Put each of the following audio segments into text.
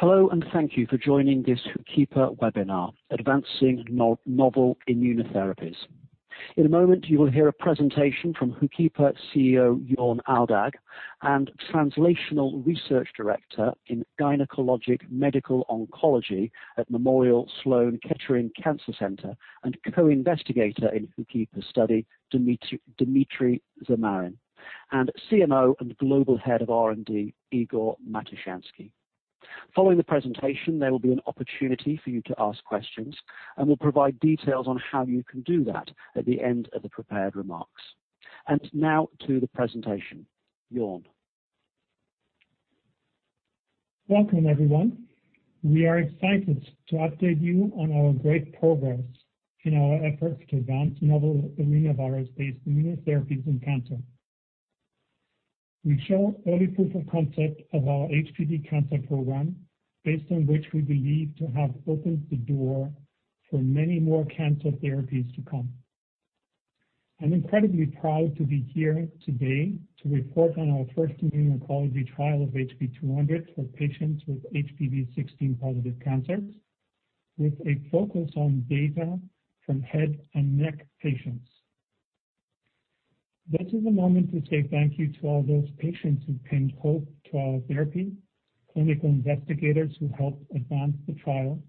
Hello. Thank you for joining this HOOKIPA webinar, Advancing Novel Immunotherapies. In a moment, you will hear a presentation from HOOKIPA CEO, Jörn Aldag, and Translational Research Director in Gynecologic Medical Oncology at Memorial Sloan Kettering Cancer Center, and co-investigator in the HOOKIPA study, Dmitriy Zamarin, and CMO and Global Head of R&D, Igor Matushansky. Following the presentation, there will be an opportunity for you to ask questions, and we'll provide details on how you can do that at the end of the prepared remarks. Now to the presentation. Jörn. Welcome, everyone. We are excited to update you on our great progress in our efforts to advance novel arenavirus-based immunotherapies in cancer. We show early proof of concept of our HPV cancer program, based on which we believe to have opened the door for many more cancer therapies to come. I'm incredibly proud to be here today to report on our first immuno-oncology trial of HB-200 for patients with HPV16-positive cancers, with a focus on data from head and neck patients. This is a moment to say thank you to all those patients who've been cohort trial therapy, clinical investigators who helped advance the trial,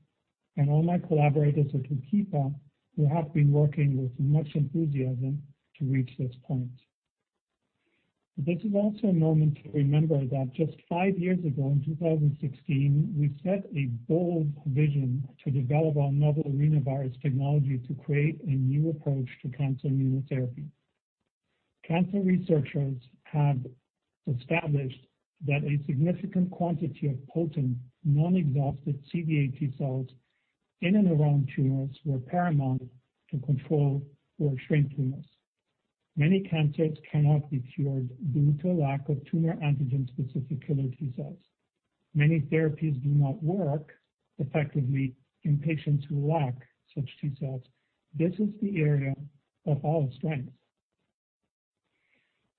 and all my collaborators at HOOKIPA who have been working with much enthusiasm to reach this point. This is also a moment to remember that just five years ago, in 2016, we set a bold vision to develop our novel arenavirus technology to create a new approach to cancer immunotherapy. Cancer researchers have established that a significant quantity of potent, non-exhausted CD8 T cells in and around tumors were paramount to control or shrink tumors. Many cancers cannot be cured due to a lack of tumor antigen-specific killer T cells. Many therapies do not work effectively in patients who lack such T cells. This is the area of our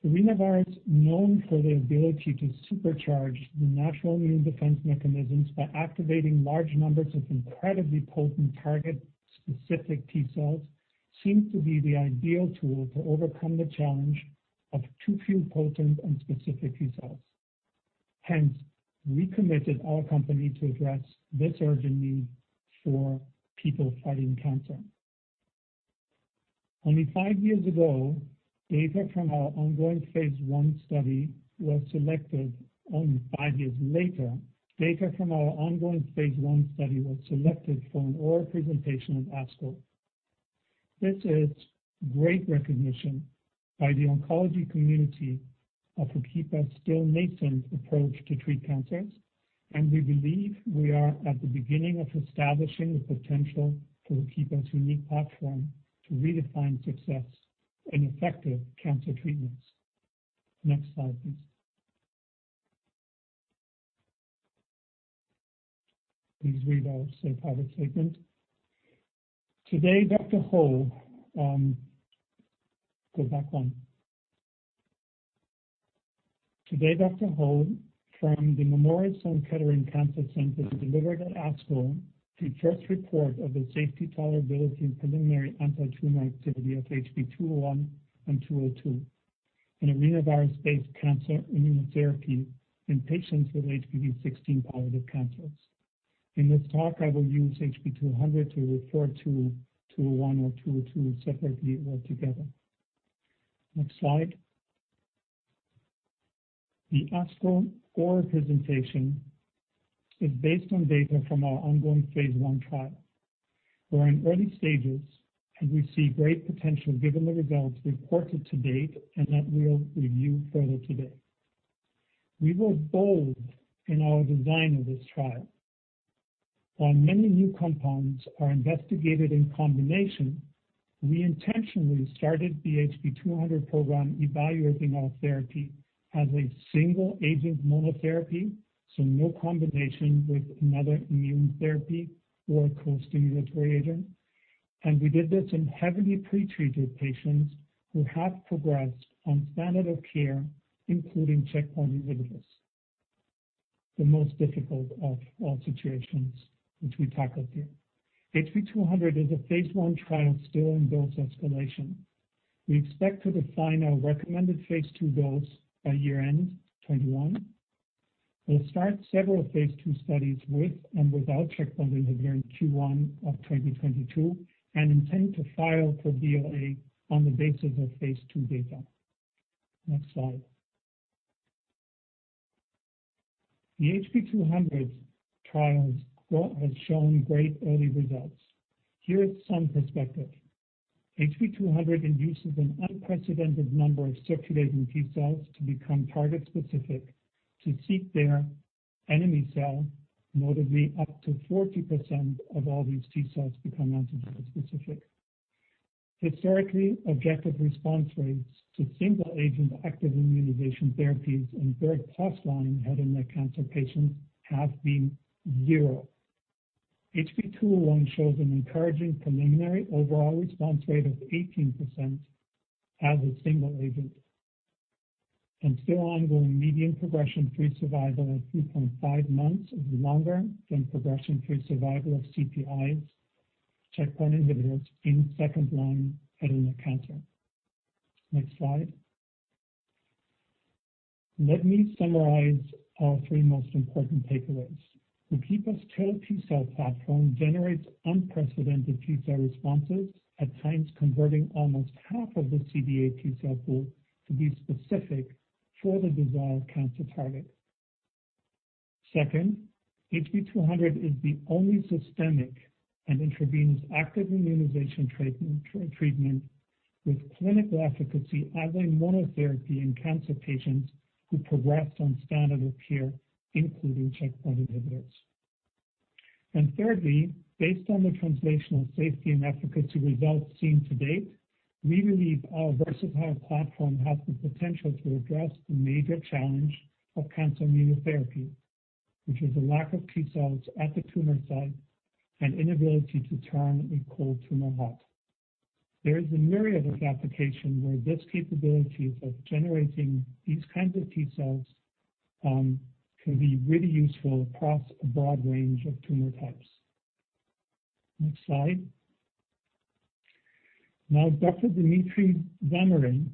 strength. Arenavirus, known for their ability to supercharge the natural immune defense mechanisms by activating large numbers of incredibly potent target-specific T cells, seems to be the ideal tool to overcome the challenge of too few potent and specific T cells. We committed our company to address this urgent need for people fighting cancer. Data from our ongoing phase I study was selected for an oral presentation at ASCO. This is great recognition by the oncology community of HOOKIPA's still nascent approach to treat cancers. We believe we are at the beginning of establishing the potential for HOOKIPA's unique platform to redefine success in effective cancer treatments. Next slide, please. Please read our safe harbor statement. Today, Dr. Ho from the Memorial Sloan Kettering Cancer Center delivered at ASCO the first report of the safety tolerability and preliminary anti-tumor activity of HB-201 and HB-202, an arenavirus-based cancer immunotherapy in patients with HPV16-positive cancers. In this talk, I will use HB-200 to refer to 201 or 202 separately or together. Next slide. The ASCO oral presentation is based on data from our ongoing phase I trial. We're in early stages, and we see great potential given the results reported to date and that we'll review further today. We were bold in our design of this trial. While many new compounds are investigated in combination, we intentionally started the HB-200 program evaluating our therapy as a single-agent monotherapy, so no combination with another immune therapy or a co-stimulatory agent, and we did this in heavily pre-treated patients who have progressed on standard of care, including checkpoint inhibitors, the most difficult of all situations which we tackled here. HB-200 is a phase I trial still in dose escalation. We expect to define our phase II dose by year-end 2021. We'll start phase II studies with and without checkpoint inhibitor in Q1 of 2022 and intend to file for BLA on the basis phase II data. Next slide. The HB-200 trials has shown great early results. Here is some perspective. HB-200 induces an unprecedented number of circulating T cells to become target-specific to seek their enemy cell. Notably, up to 40% of all these T cells become antigen-specific. Historically, objective response rates to single-agent active immunization therapies in third-plus line head and neck cancer patients have been zero. HB-201 shows an encouraging preliminary overall response rate of 18% as a single agent. Still ongoing median progression-free survival of 3.5 months is longer than progression-free survival of CPIs, checkpoint inhibitors in second line head and neck cancer. Next slide. Let me summarize our three most important takeaways. HOOKIPA's killer T cell platform generates unprecedented T cell responses, at times converting almost half of the CD8 T cell pool to be specific for the desired cancer target. Second, HB-200 is the only systemic and intravenous active immunization treatment with clinical efficacy as a monotherapy in cancer patients who progress on standard of care, including checkpoint inhibitors. Thirdly, based on the translational safety and efficacy results seen to date, we believe our versatile platform has the potential to address the major challenge of cancer immunotherapy, which is a lack of T cells at the tumor site and inability to turn a cold tumor hot. There is a myriad of applications where this capability of generating these kinds of T cells can be really useful across a broad range of tumor types. Next slide. Dr. Dmitriy Zamarin,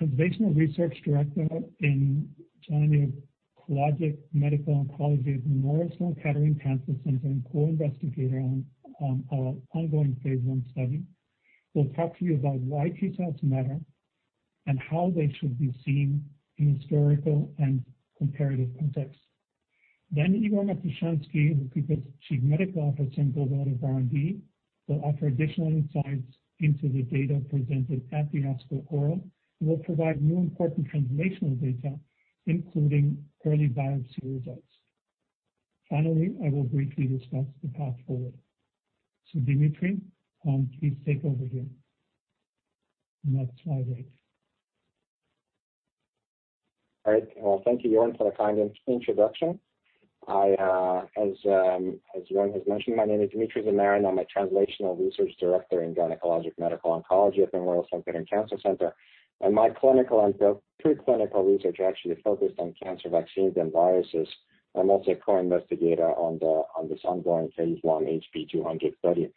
Translational Research Director in Gynecologic Medical Oncology at Memorial Sloan Kettering Cancer Center and co-investigator on our ongoing phase I study, will talk to you about why T cells matter and how they should be seen in historical and comparative context. Igor Matushansky, HOOKIPA's Chief Medical Officer and Global Head of R&D, will offer additional insights into the data presented at the ASCO oral and will provide more important translational data, including early biopsy results. I will briefly discuss the path forward. Dmitriy, please take over here. Next slide, please. All right. Well, thank you, Jörn, for the kind introduction. As Jörn has mentioned, my name is Dmitriy Zamarin. I'm a Translational Research Director in Gynecologic Medical Oncology at Memorial Sloan Kettering Cancer Center, and my clinical and preclinical research actually focused on cancer vaccines and viruses. I'm also a co-investigator on this ongoing phase I HB-200 study.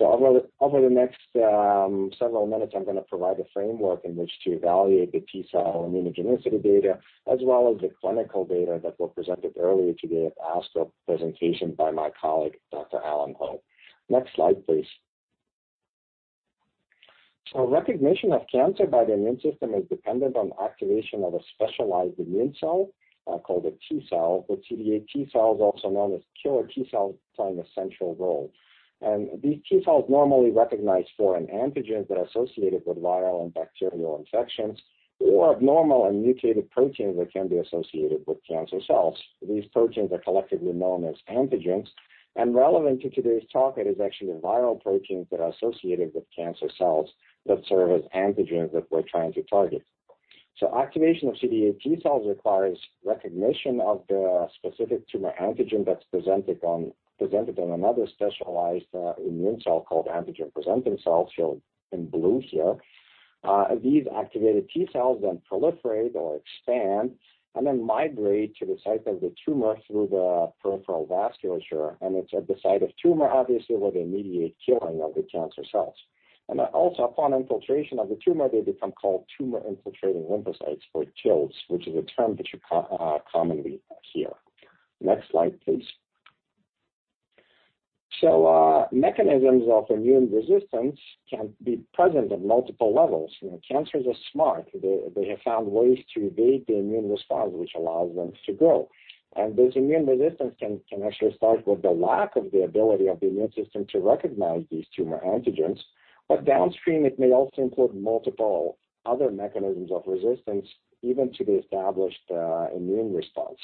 Over the next several minutes, I'm going to provide a framework in which to evaluate the T cell immunogenicity data as well as the clinical data that were presented earlier today at the ASCO presentation by my colleague, Dr. Alan Ho. Next slide, please. Recognition of cancer by the immune system is dependent on activation of a specialized immune cell called a T cell, but CD8 T cell, is also known as killer T cell, playing a central role. These T cells normally recognize foreign antigens that are associated with viral and bacterial infections or abnormal and mutated proteins that can be associated with cancer cells. These proteins are collectively known as antigens, and relevant to today's talk is actually viral proteins that are associated with cancer cells that serve as antigens that we're trying to target. Activation of CD8 T cells requires recognition of the specific tumor antigen that's presented on another specialized immune cell called antigen-presenting cells, shown in blue here. These activated T cells then proliferate or expand and then migrate to the site of the tumor through the peripheral vasculature, and it's at the site of tumor, obviously, where they mediate killing of the cancer cells. Also, upon infiltration of the tumor, they become called tumor-infiltrating lymphocytes or TILs, which is a term that you commonly hear. Next slide, please. Mechanisms of immune resistance can be present at multiple levels. Cancers are smart. They have found ways to evade the immune response, which allows them to grow. This immune resistance can actually start with the lack of the ability of the immune system to recognize these tumor antigens. Downstream, it may also include multiple other mechanisms of resistance even to the established immune response.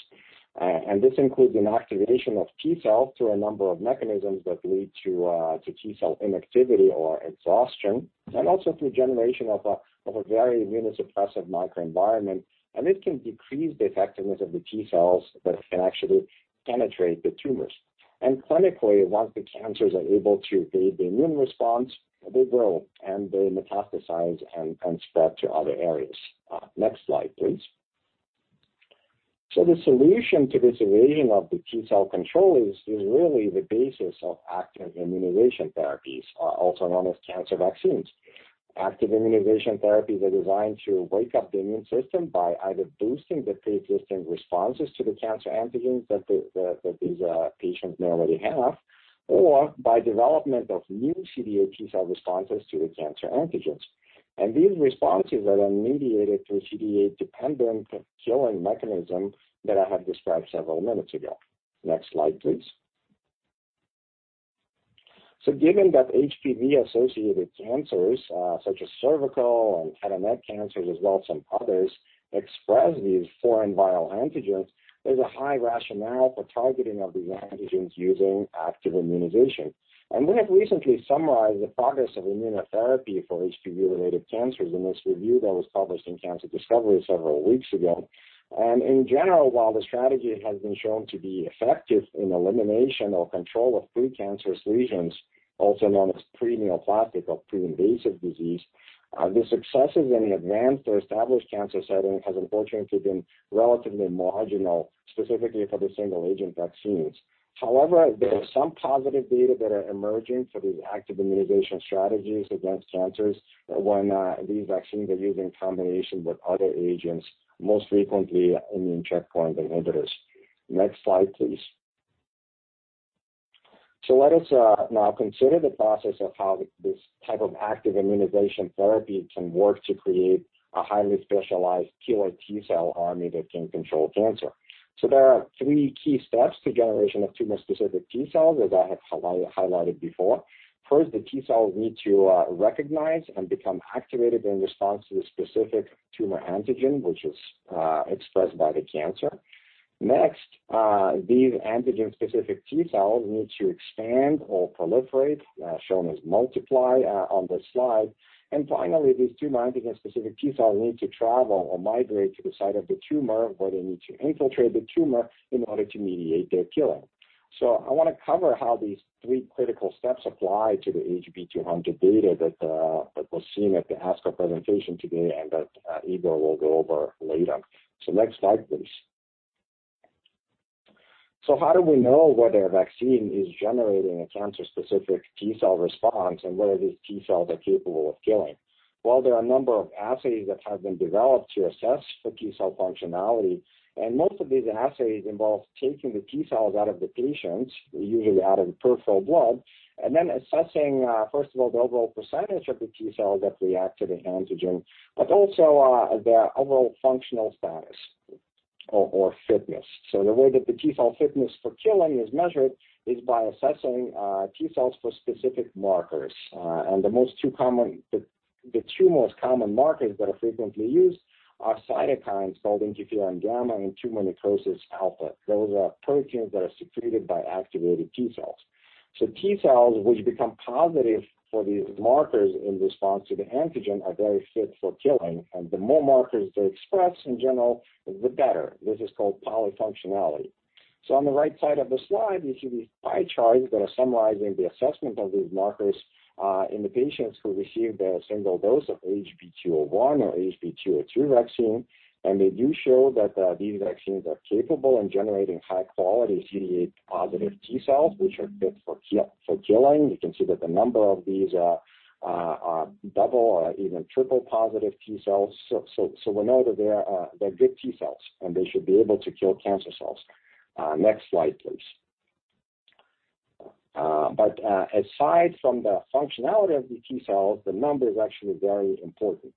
This includes inactivation of T cells through a number of mechanisms that lead to T cell inactivity or exhaustion, and also through generation of a very immunosuppressive microenvironment. This can decrease the effectiveness of the T cells that can actually penetrate the tumors. Clinically, once the cancers are able to evade the immune response, they grow and they metastasize and spread to other areas. Next slide, please. The solution to this evasion of the T cell control is really the basis of active immunization therapies, also known as cancer vaccines. Active immunization therapies are designed to wake up the immune system by either boosting the pre-existing responses to the cancer antigens that these patients may already have or by development of new CD8 T cell responses to the cancer antigens. These responses are then mediated through CD8-dependent killing mechanism that I have described several minutes ago. Next slide, please. Given that HPV-associated cancers such as cervical and head and neck cancers, as well some others, express these foreign viral antigens, there's a high rationale for targeting of these antigens using active immunization. We have recently summarized the progress of immunotherapy for HPV-related cancers in this review that was published in "Cancer Discovery" several weeks ago. In general, while the strategy has been shown to be effective in elimination or control of pre-cancerous lesions, also known as pre-neoplastic or pre-invasive disease, the successes in the advanced or established cancer setting has unfortunately been relatively marginal, specifically for the single-agent vaccines. However, there is some positive data that are emerging for these active immunization strategies against cancers when these vaccines are used in combination with other agents, most frequently immune checkpoint inhibitors. Next slide, please. Let us now consider the process of how this type of active immunization therapy can work to create a highly specialized killer T cell army that can control cancer. There are three key steps to generation of tumor-specific T cells, as I have highlighted before. First, the T cells need to recognize and become activated in response to the specific tumor antigen, which is expressed by the cancer. Next, these antigen-specific T cells need to expand or proliferate, shown as multiply on this slide. Finally, these tumor antigen-specific T cells need to travel or migrate to the site of the tumor, where they need to infiltrate the tumor in order to mediate their killing. I want to cover how these three critical steps apply to the HB-200 data that we'll see in the ASCO presentation today and that Igor will go over later. Next slide, please. How do we know whether a vaccine is generating a cancer-specific T cell response and whether these T cells are capable of killing? There are a number of assays that have been developed to assess the T cells functionality, and most of these assays involve taking the T cells out of the patients, usually out of peripheral blood, and then assessing, first of all, the overall percentage of the T cells that react to the antigen, but also their overall functional status or fitness. The way that the T cells fitness for killing is measured is by assessing T cells for specific markers. The two most common markers that are frequently used are cytokines called interferon gamma and tumor necrosis alpha. Those are proteins that are secreted by activated T cells. T cells, which become positive for these markers in response to the antigen, are very fit for killing, and the more markers they express in general, the better. This is called polyfunctionality. On the right side of the slide, you see these pie charts that are summarizing the assessment of these markers in the patients who received a single dose of HB-201 or HB-202 vaccine. They do show that these vaccines are capable in generating high-quality CD8 positive T cells, which are fit for killing. You can see that the number of these are double or even triple positive T cells. We know that they're good T cells, and they should be able to kill cancer cells. Next slide, please. Aside from the functionality of the T cells, the number is actually very important.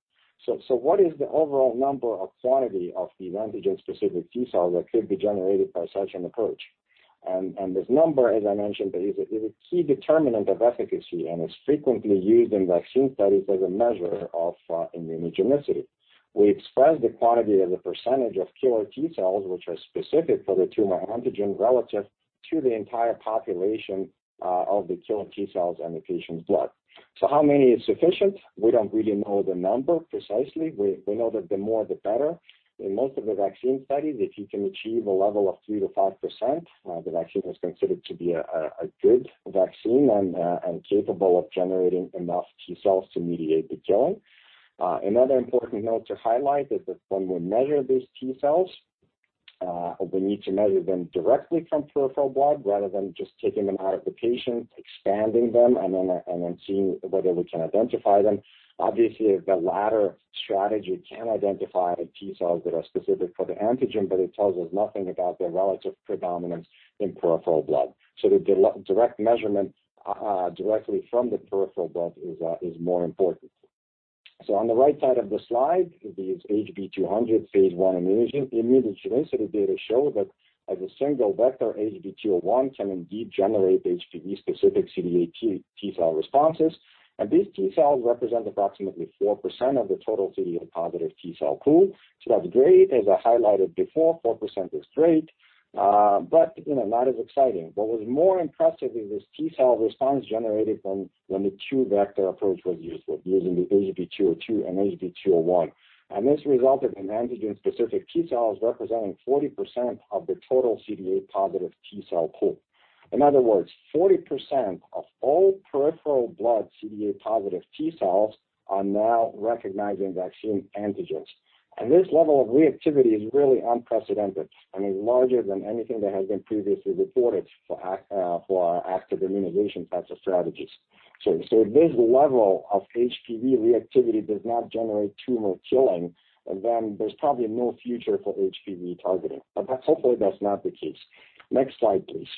What is the overall number or quantity of the antigen-specific T cells that could be generated by such an approach? This number, as I mentioned, is a key determinant of efficacy and is frequently used in vaccine studies as a measure of immunogenicity. We express the quantity as a % of killer T cells, which are specific for the tumor antigen relative to the entire population of the killer T cells in the patient's blood. How many is sufficient? We don't really know the number precisely. We know that the more, the better. In most of the vaccine studies, if you can achieve a level of 3%-5%, the vaccine is considered to be a good vaccine and capable of generating enough T cells to mediate the killing. Another important note to highlight is that when we measure these T cells, we need to measure them directly from peripheral blood rather than just taking them out of the patient, expanding them, and then seeing whether we can identify them. Obviously, the latter strategy can identify the T cells that are specific for the antigen, but it tells us nothing about their relative predominance in peripheral blood. The direct measurement directly from the peripheral blood is more important. On the right side of the slide, these HB-200 phase I immunogenicity data show that as a single vector, HB-201 can indeed generate HPV-specific CD8 T cell responses, and these T cells represent approximately 4% of the total CD8 positive T cell pool. That's great. As I highlighted before, 4% is great. Not as exciting. What was more impressive is this T cell response generated when the two-vector approach was used, using the HB-202 and HB-201. This resulted in antigen-specific T cells representing 40% of the total CD8 positive T cell pool. In other words, 40% of all peripheral blood CD8 positive T cells are now recognizing vaccine antigens. This level of reactivity is really unprecedented, I mean, larger than anything that has been previously reported for active immunization types of strategies. If this level of HPV reactivity does not generate tumor killing, then there's probably no future for HPV targeting. Hopefully, that's not the case. Next slide, please.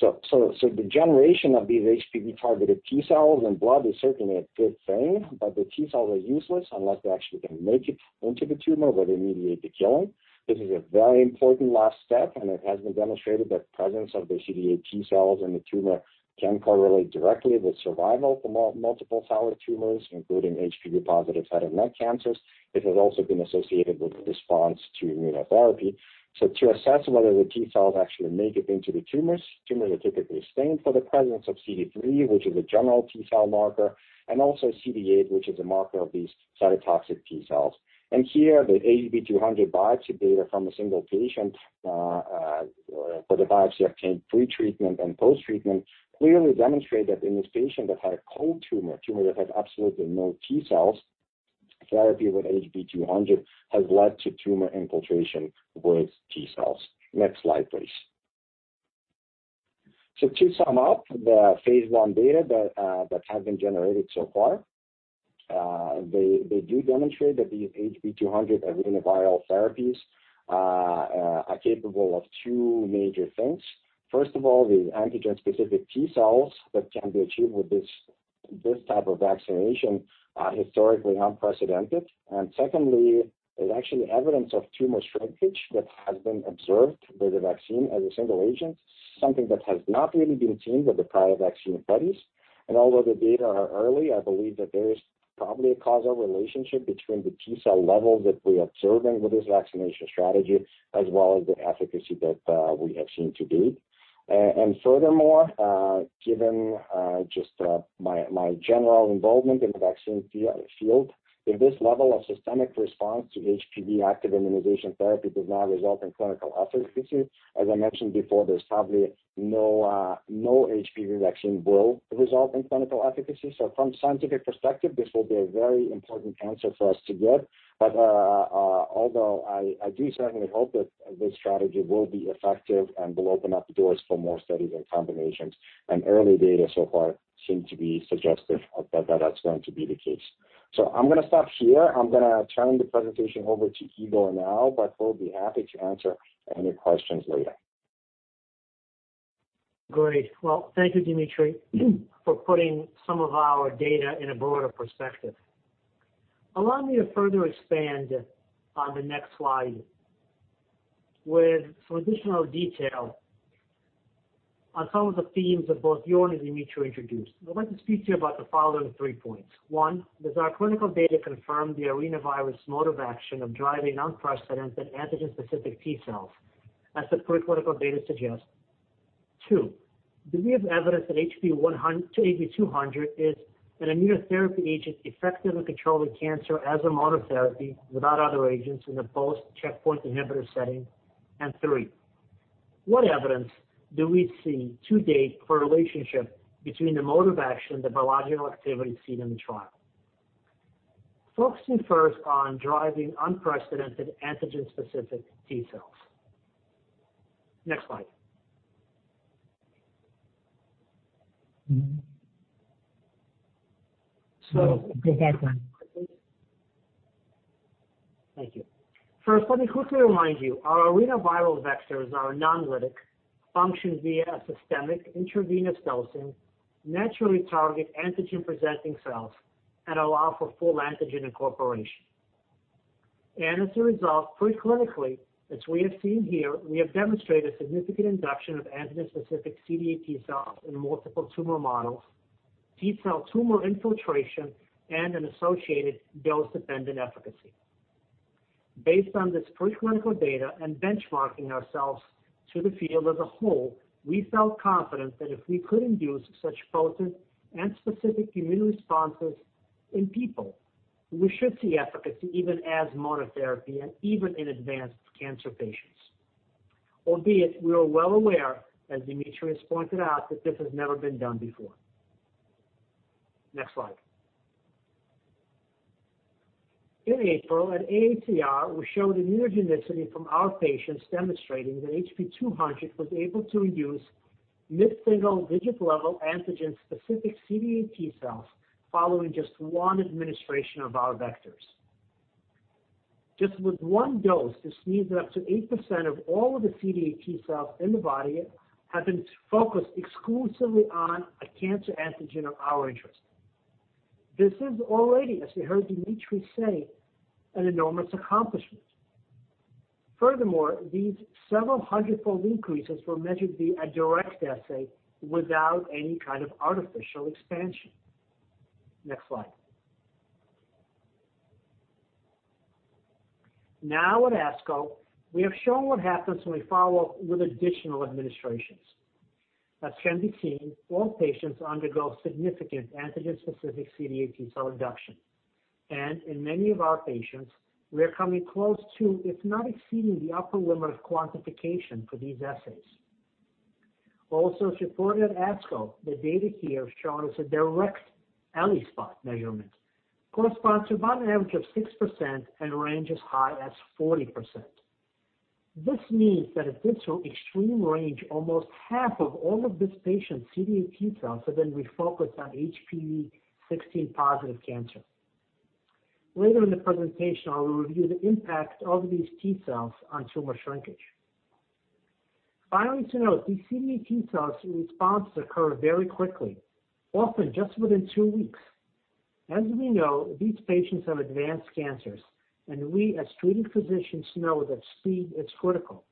The generation of these HPV-targeted T cells in blood is certainly a good thing, but the T cells are useless unless they actually can make it into the tumor where they mediate the killing. This is a very important last step. It has been demonstrated that presence of the CD8 T cells in the tumor can correlate directly with survival for multiple solid tumors, including HPV-positive head and neck cancers. It has also been associated with response to immunotherapy. To assess whether the T cells actually make it into the tumors are typically stained for the presence of CD3, which is a general T cell marker, and also CD8, which is a marker of these cytotoxic T cells. Here, the HB-200 biopsy data from a single patient for the biopsy obtained pretreatment and post-treatment clearly demonstrate that in this patient that had cold tumor that had absolutely no T cells, therapy with HB-200 has led to tumor infiltration with T cells. Next slide, please. To sum up the phase I data that have been generated so far. They do demonstrate that these HB-200 arenaviral therapies are capable of two major things. First of all, the antigen-specific T cells that can be achieved with this type of vaccination are historically unprecedented. Secondly, there's actually evidence of tumor shrinkage that has been observed with the vaccine as a single agent, something that has not really been seen with the prior vaccine studies. Although the data are early, I believe that there's probably a causal relationship between the T cell levels that we're observing with this vaccination strategy as well as the efficacy that we have seen to date. Furthermore, given just my general involvement in the vaccine field, if this level of systemic response to HPV active immunization therapy does not result in clinical efficacy, as I mentioned before, there's probably no HPV vaccine will result in clinical efficacy. From scientific perspective, this will be a very important answer for us to get. Although I do certainly hope that this strategy will be effective and will open up the doors for more studies and combinations, and early data so far seem to be suggestive that's going to be the case. I'm going to stop here. I'm going to turn the presentation over to Igor now, but we'll be happy to answer any questions later. Great. Well, thank you, Dmitriy, for putting some of our data in a broader perspective. Allow me to further expand on the next slide with additional detail on some of the themes that both Igor and Dmitriy introduced. I'd like to speak to you about the following three points. One, does our clinical data confirm the arenavirus mode of action of driving unprecedented antigen-specific T cells as the preclinical data suggests? Two, do we have evidence that HB-200 is an immunotherapy agent effective in controlling cancer as a monotherapy without other agents in the post-checkpoint inhibitor setting? Three, what evidence do we see to date for a relationship between the mode of action and the biological activity seen in the trial? Focusing first on driving unprecedented antigen-specific T cells. Next slide. Go back one. Thank you. First, let me quickly remind you, our arenaviral vectors are non-lytic, function via a systemic intravenous dosing, naturally target antigen-presenting cells, and allow for full antigen incorporation. As a result, preclinically, as we have seen here, we have demonstrated significant induction of antigen-specific CD8 T cells in multiple tumor models, T cell tumor infiltration, and an associated dose-dependent efficacy. Based on this preclinical data and benchmarking ourselves to the field as a whole, we felt confident that if we could induce such potent and specific immune responses in people, we should see efficacy even as monotherapy and even in advanced cancer patients. Albeit, we are well aware, as Dmitriy has pointed out, that this has never been done before. Next slide. In April, at AACR, we showed immunogenicity from our patients demonstrating that HB-200 was able to induce mid-single digit level antigen-specific CD8 T cells following just one administration of our vectors. Just with one dose, this means that up to 8% of all of the CD8 T cells in the body have been focused exclusively on a cancer antigen of our interest. This is already, as you heard Dmitriy say, an enormous accomplishment. Furthermore, these several hundred-fold increases were measured via a direct assay without any kind of artificial expansion. Next slide. At ASCO, we have shown what happens when we follow up with additional administrations. As can be seen, all patients undergo significant antigen-specific CD8 T cell reduction. In many of our patients, we are coming close to, if not exceeding, the upper limit of quantification for these assays. Reported at ASCO, the data here shown as a direct ELISpot measurement corresponds to about an average of 6% and range as high as 40%. This means that at this extreme range, almost half of all of this patient's CD8 T cells have been refocused on HPV16-positive cancer. Later in the presentation, I will review the impact of these T cells on tumor shrinkage. Finally, to note, these CD8 T cells response occur very quickly, often just within two weeks. As we know, these patients have advanced cancers, and we as treating physicians know that speed is critical.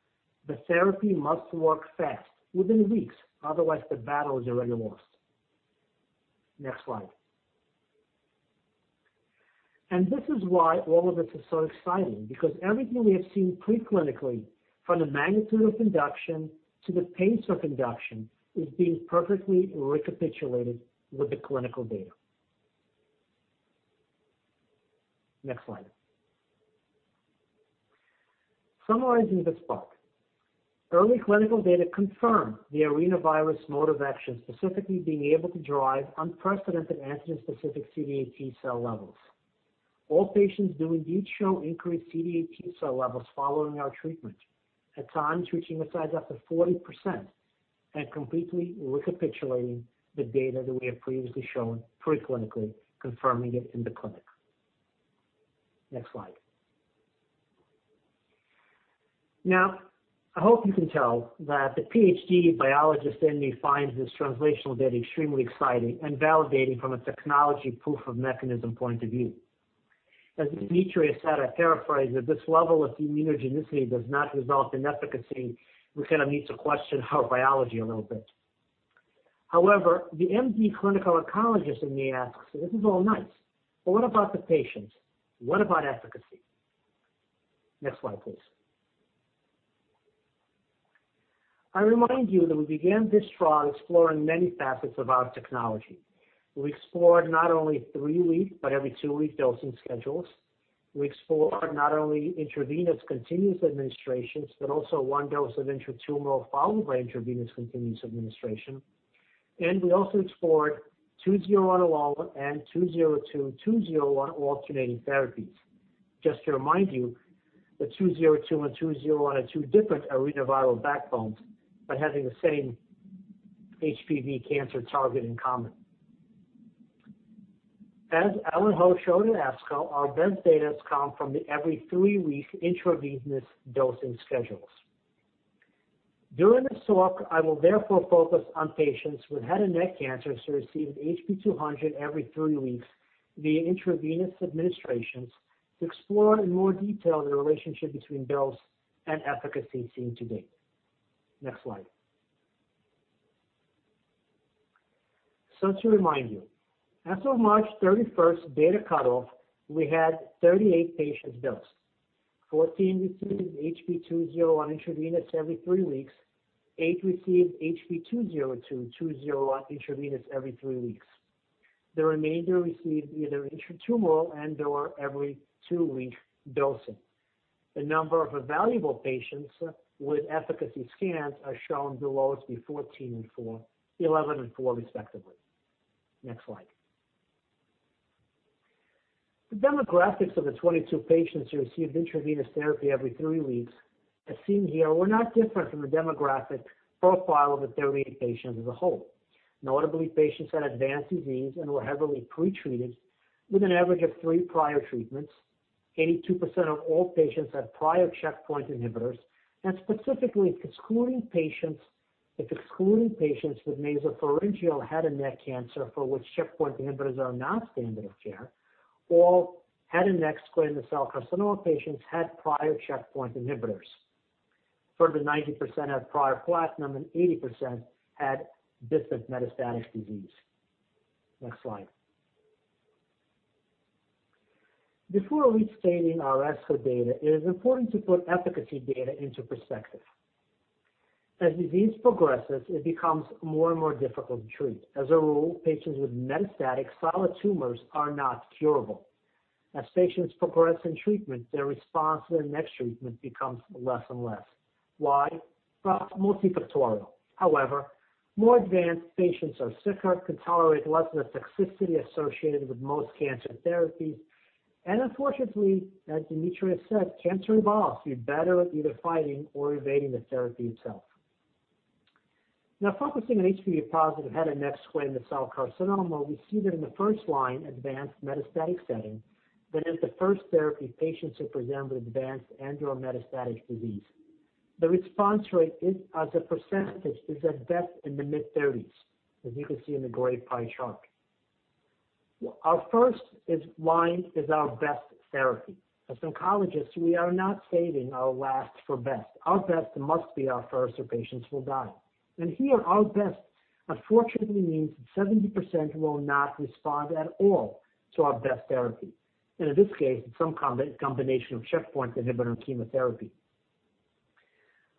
The therapy must work fast, within weeks. Otherwise, the battle is already lost. Next slide. This is why all of this is so exciting, because everything we have seen preclinically, from the magnitude of induction to the pace of induction, is being perfectly recapitulated with the clinical data. Next slide. Summarizing this block, early clinical data confirm the arenavirus mode of action, specifically being able to drive unprecedented antigen-specific CD8 T cell levels. All patients do indeed show increased CD8 T cell levels following our treatment, at times reaching as high as up to 40%, and completely recapitulating the data that we have previously shown preclinically, confirming it in the clinic. Next slide. I hope you can tell that the PhD biologist in me finds this translational data extremely exciting and validating from a technology proof of mechanism point of view. As Dmitriy has said, a paraphrase, if this level of immunogenicity does not result in efficacy, we kind of need to question our biology a little bit. The M.D. clinical oncologist in me asks, this is all nice, but what about the patients? What about efficacy? Next slide, please. I remind you that we began this trial exploring many facets of our technology. We explored not only three-week but every two-week dosing schedules. We explored not only intravenous continuous administrations but also one dose of intratumoral followed by intravenous continuous administration. We also explored HB-201 and HB-202/HB-201 alternating therapies. Just to remind you that HB-202 and HB-201 are two different arenaviral backbones but having the same HPV cancer target in common. As Alan Ho showed in ASCO, our best data has come from the every three-week intravenous dosing schedules. During this talk, I will therefore focus on patients with head and neck cancers who received HB-200 every three weeks via intravenous administrations to explore in more detail the relationship between dose and efficacy seen to date. Next slide. To remind you, as of March 31st data cutoff, we had 38 patients dosed. 14 received HB-201 intravenous every three weeks, eight received HB-202/201 intravenous every three weeks. The remainder received either intratumoral and/or every two-week dosing. The number of evaluable patients with efficacy scans are shown below as the 14 and four, 11 and four, respectively. Next slide. The demographics of the 22 patients who received intravenous therapy every three weeks, as seen here, were not different from the demographic profile of the 38 patients as a whole. Notably, patients had advanced disease and were heavily pretreated, with an average of three prior treatments. 82% of all patients had prior checkpoint inhibitors. Specifically, excluding patients with nasopharyngeal head and neck cancer for which checkpoint inhibitors are not standard of care, all head and neck squamous cell carcinoma patients had prior checkpoint inhibitors. Further, 90% had prior platinum and 80% had distant metastatic disease. Next slide. Before we stating our ASCO data, it is important to put efficacy data into perspective. As disease progresses, it becomes more and more difficult to treat. As a rule, patients with metastatic solid tumors are not curable. As patients progress in treatment, their response to the next treatment becomes less and less. Why? Well, multifactorial. However, more advanced patients are sicker, can tolerate less of the toxicity associated with most cancer therapies, and unfortunately, as Dmitriy has said, cancer evolves. You're better at either fighting or evading the therapy itself. Focusing on HPV-positive head and neck squamous cell carcinoma, we see that in the first-line advanced metastatic setting, that is the first therapy patients who present with advanced and/or metastatic disease, the response rate as a % is at best in the mid-30s, as you can see in the gray pie chart. Our first-line is our best therapy. As oncologists, we are not saving our last for best. Our best must be our first, or patients will die. Here, our best unfortunately means that 70% will not respond at all to our best therapy. In this case, it's some combination of checkpoint inhibitor and chemotherapy.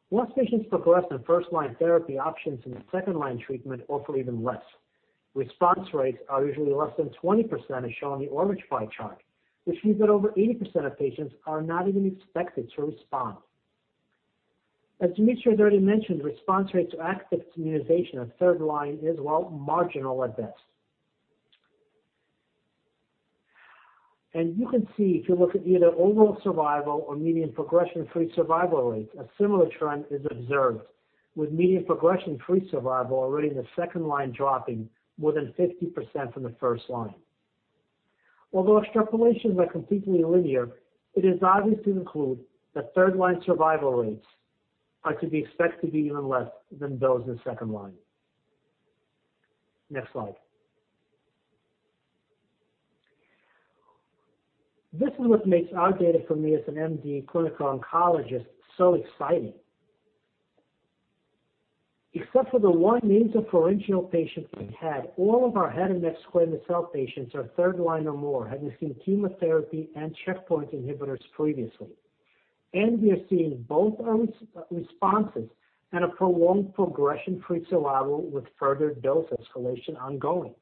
Once patients progress from first-line therapy options into second-line treatment or for even less, response rates are usually less than 20% as shown on the orange pie chart, which means that over 80% of patients are not even expected to respond. As Dmitriy already mentioned, response rates to active immunization at third-line is, well, marginal at best. You can see if you look at either overall survival or median progression-free survival rates, a similar trend is observed, with median progression-free survival already in the second line dropping more than 50% from the first line. Although extrapolations are completely linear, it is obvious to conclude that third-line survival rates are to be expected to be even less than those in the second line. Next slide. This is what makes our data for me as an M.D. clinical oncologist so exciting. Except for the one nasopharyngeal patient we had, all of our head and neck squamous cell patients are third-line or more, having seen chemotherapy and checkpoint inhibitors previously. We are seeing both early responses and a prolonged progression-free survival with further dose escalation ongoing.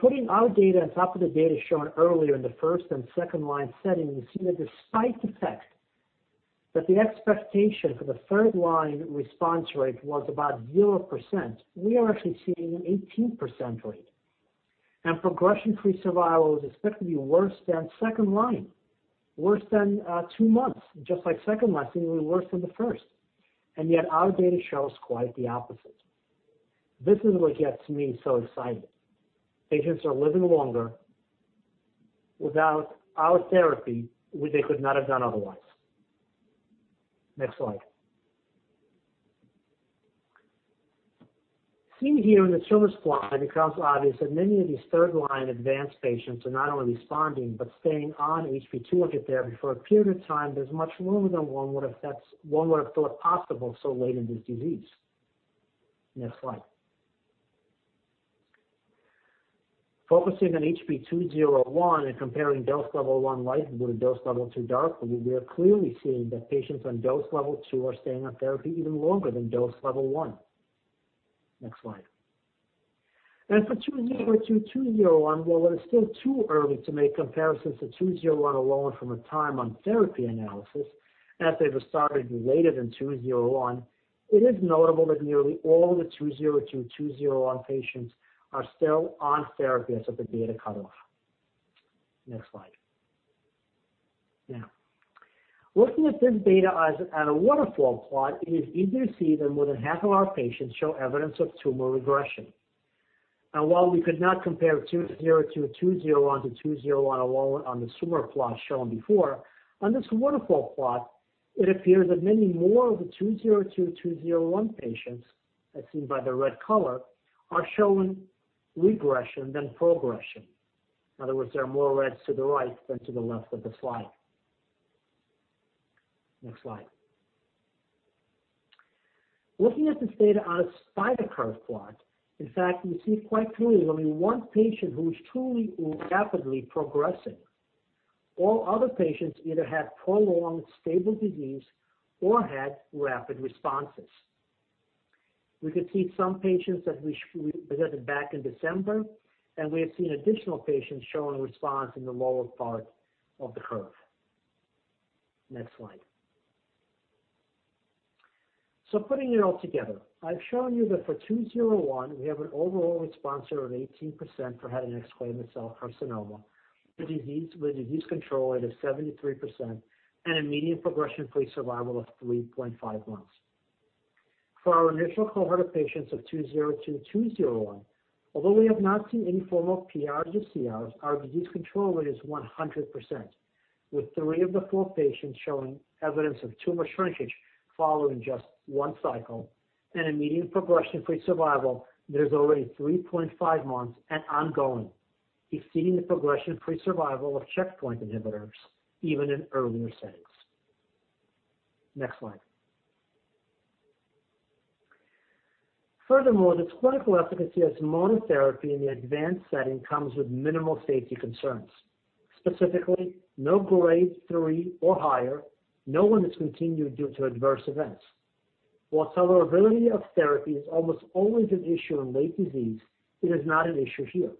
Putting our data on top of the data shown earlier in the first- and second-line setting, we see that the expectation for the third-line response rate was about 0%. We are actually seeing an 18% rate. Progression-free survival was expected to be worse than second-line, worse than two months, just like second-line seemed to be worse than the first. Yet our data shows quite the opposite. This is what gets me so excited. Patients are living longer without our therapy, which they could not have done otherwise. Next slide. Seen here in the swimmer plots, it becomes obvious that many of these third-line advanced patients are not only responding but staying on HB-200 therapy for a period of time that is much longer than one would have thought possible so late in this disease. Next slide. Focusing on HB-201 and comparing dose Level 1 light blue and dose Level 2 dark blue, we are clearly seeing that patients on dose Level 2 are staying on therapy even longer than dose Level 1. Next slide. For HB-202/HB-201, while it's still too early to make comparisons to HB-201 alone from a time on therapy analysis, as they were started later than HB-201, it is notable that nearly all the HB-202/HB-201 patients are still on therapy as of the data cutoff. Next slide. Looking at this data as at a waterfall plot, it is easy to see that more than half of our patients show evidence of tumor regression. While we could not compare HB-202/HB-201 to HB-201 alone on the tumor plot shown before, on this waterfall plot, it appears that many more of the HB-202/HB-201 patients, as seen by the red color, are showing regression than progression. In other words, there are more reds to the right than to the left of the slide. Next slide. Looking at this data on a spider curve plot, in fact, we see quite clearly only one patient who is truly rapidly progressing. All other patients either had prolonged stable disease or had rapid responses. We could see some patients that we presented back in December, and we have seen additional patients showing response in the lower part of the curve. Next slide. Putting it all together, I've shown you that for HB-201, we have an overall response rate of 18% for head and neck squamous cell carcinoma, a disease control rate of 73%, and a median progression-free survival of 3.5 months. For our initial cohort of patients of HB-202/HB-201, although we have not seen any form of PRs or CRs, our disease control rate is 100%, with three of the four patients showing evidence of tumor shrinkage following just one cycle and a median progression-free survival that is already 3.5 months and ongoing, exceeding the progression-free survival of checkpoint inhibitors even in earlier settings. Next slide. The clinical efficacy as monotherapy in the advanced setting comes with minimal safety concerns. Specifically, no Grade 3 or higher, no one has continued due to adverse events. While tolerability of therapy is almost always an issue in late disease, it is not an issue here.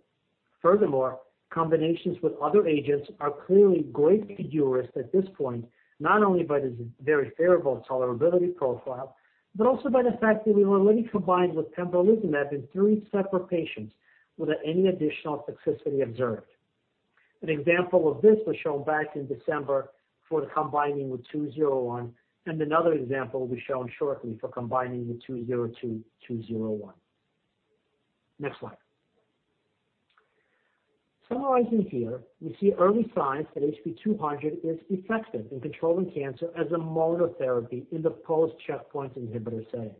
Combinations with other agents are clearly great to consider at this point, not only by this very favorable tolerability profile, but also by the fact that we were already combined with pembrolizumab in three separate patients without any additional toxicity observed. An example of this was shown back in December for combining with HB-201. Another example will be shown shortly for combining the HB-202/HB-201. Next slide. Summarizing here, we see early signs that HB-200 is effective in controlling cancer as a monotherapy in the post-checkpoint inhibitor setting.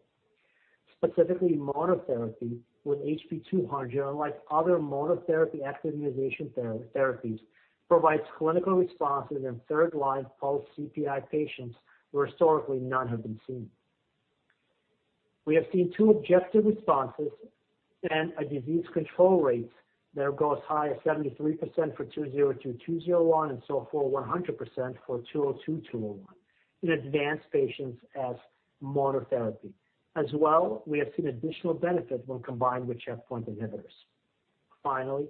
Specifically, monotherapy with HB-200, unlike other monotherapy activation therapies, provides clinical responses in third-line post-CPI patients where historically none have been seen. We have seen two objective responses and a disease control rate that goes as high as 73% for HB-202/HB-201 and so far 100% for HB-202/HB-201 in advanced patients as monotherapy. As well, we have seen additional benefit when combined with checkpoint inhibitors. Finally,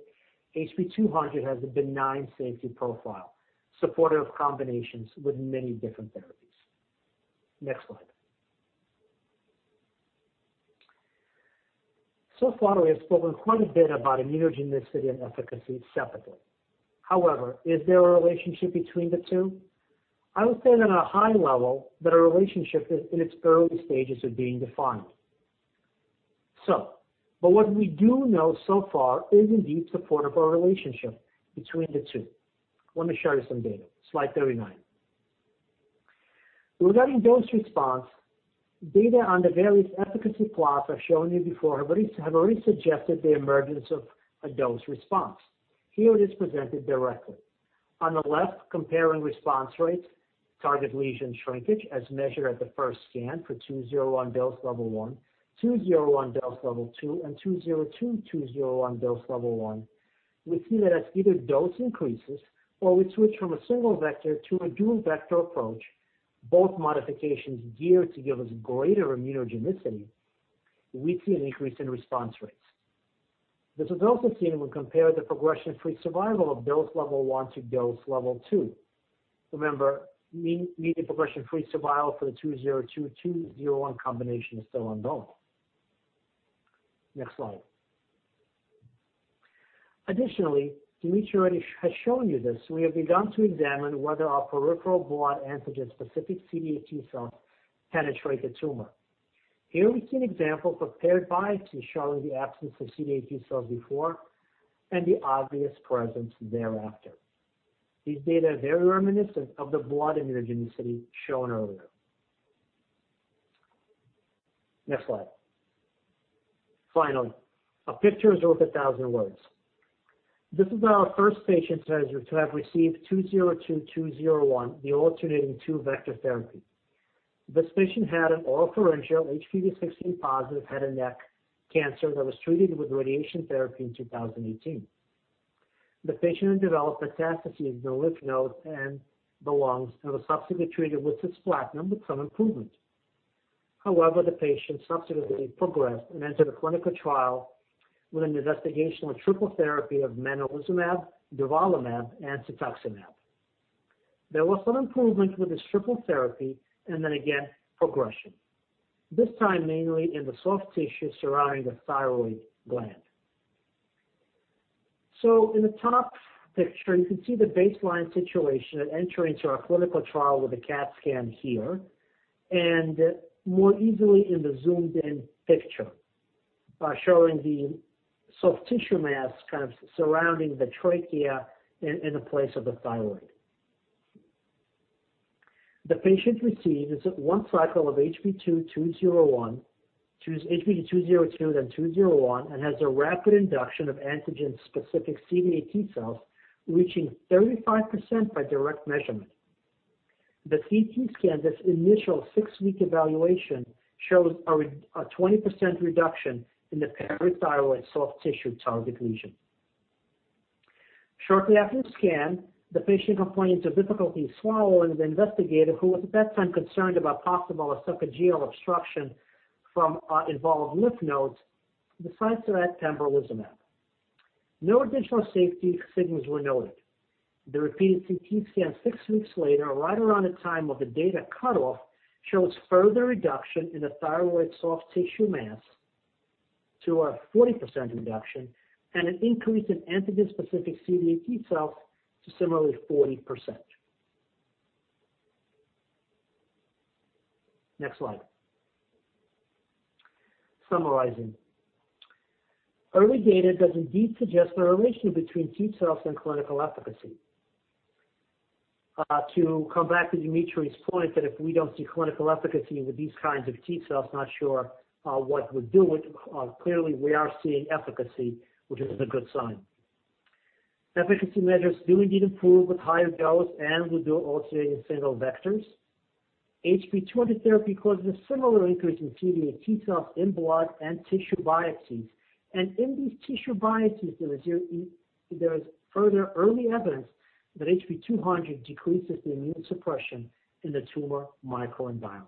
HB-200 has a benign safety profile, supportive of combinations with many different therapies. Next slide. So far, we have spoken quite a bit about immunogenicity and efficacy separately. However, is there a relationship between the two? I would say on a high level that a relationship is in its early stages of being defined. But what we do know so far is indeed support of a relationship between the two. Let me show you some data. Slide 39. Regarding dose response, data on the various efficacy plots I've shown you before have already suggested the emergence of a dose response. Here it is presented directly. On the left, comparing response rates, target lesion shrinkage, as measured at the first scan for HB-201 dose Level 1, HB-201 dose Level 2, and HB-202/HB-201 dose Level 1, we see that as either dose increases or we switch from a single vector to a dual vector approach, both modifications geared to give us greater immunogenicity, we see an increase in response rates. This was also seen when compared the progression-free survival of dose Level 1 to dose Level 2. Remember, median progression-free survival for HB-202/HB-201 combination is still unknown. Next slide. Additionally, Dmitriy has shown you this. We have begun to examine whether our peripheral blood antigen-specific CD8 T cells penetrate the tumor. Here we see an example of a paired biopsy showing the absence of CD8 T cells before and the obvious presence thereafter. These data are very reminiscent of the blood immunogenicity shown earlier. Next slide. Finally, a picture is worth a 1000 words. This is our first patient to have received HB-202/HB-201, the alternating two-vector therapy. This patient had an oropharyngeal HPV16-positive head and neck cancer that was treated with radiation therapy in 2018. The patient had developed metastases in the lymph nodes and the lungs and was subsequently treated with cisplatin with some improvement. The patient subsequently progressed and entered a clinical trial with an investigational triple therapy of monalizumab, durvalumab, and cetuximab. There was some improvement with this triple therapy and then again, progression, this time mainly in the soft tissue surrounding the thyroid gland. In the top picture, you can see the baseline situation and entering to our clinical trial with a CAT scan here, and more easily in the zoomed-in picture, showing the soft tissue mass kind of surrounding the trachea in the place of the thyroid. The patient received one cycle of HB-201, HB-202, then HB-201, and has a rapid induction of antigen-specific CD8 T cells, reaching 35% by direct measurement. The CT scan, this initial six-week evaluation, shows a 20% reduction in the parathyroid soft tissue target lesion. Shortly after scan, the patient complained of difficulty swallowing. The investigator, who was at that time concerned about possible esophageal obstruction from involved lymph nodes, decided to add pembrolizumab. No additional safety signals were noted. The repeat CT scan six weeks later, right around the time of the data cutoff, shows further reduction in the thyroid soft tissue mass to a 40% reduction and an increase in antigen-specific CD8 T cells to similarly 40%. Next slide. Summarizing. Early data does indeed suggest a relation between T cells and clinical efficacy. To come back to Dmitriy's point that if we don't see clinical efficacy into these kinds of T cells, not sure what we're doing. We are seeing efficacy, which is a good sign. Efficacy measures do indeed improve with higher dose and with alternating single vectors. HB-200 therapy causes a similar increase in CD8 T cells in blood and tissue biopsies. In these tissue biopsies, there is further early evidence that HB-200 decreases the immune suppression in the tumor microenvironment.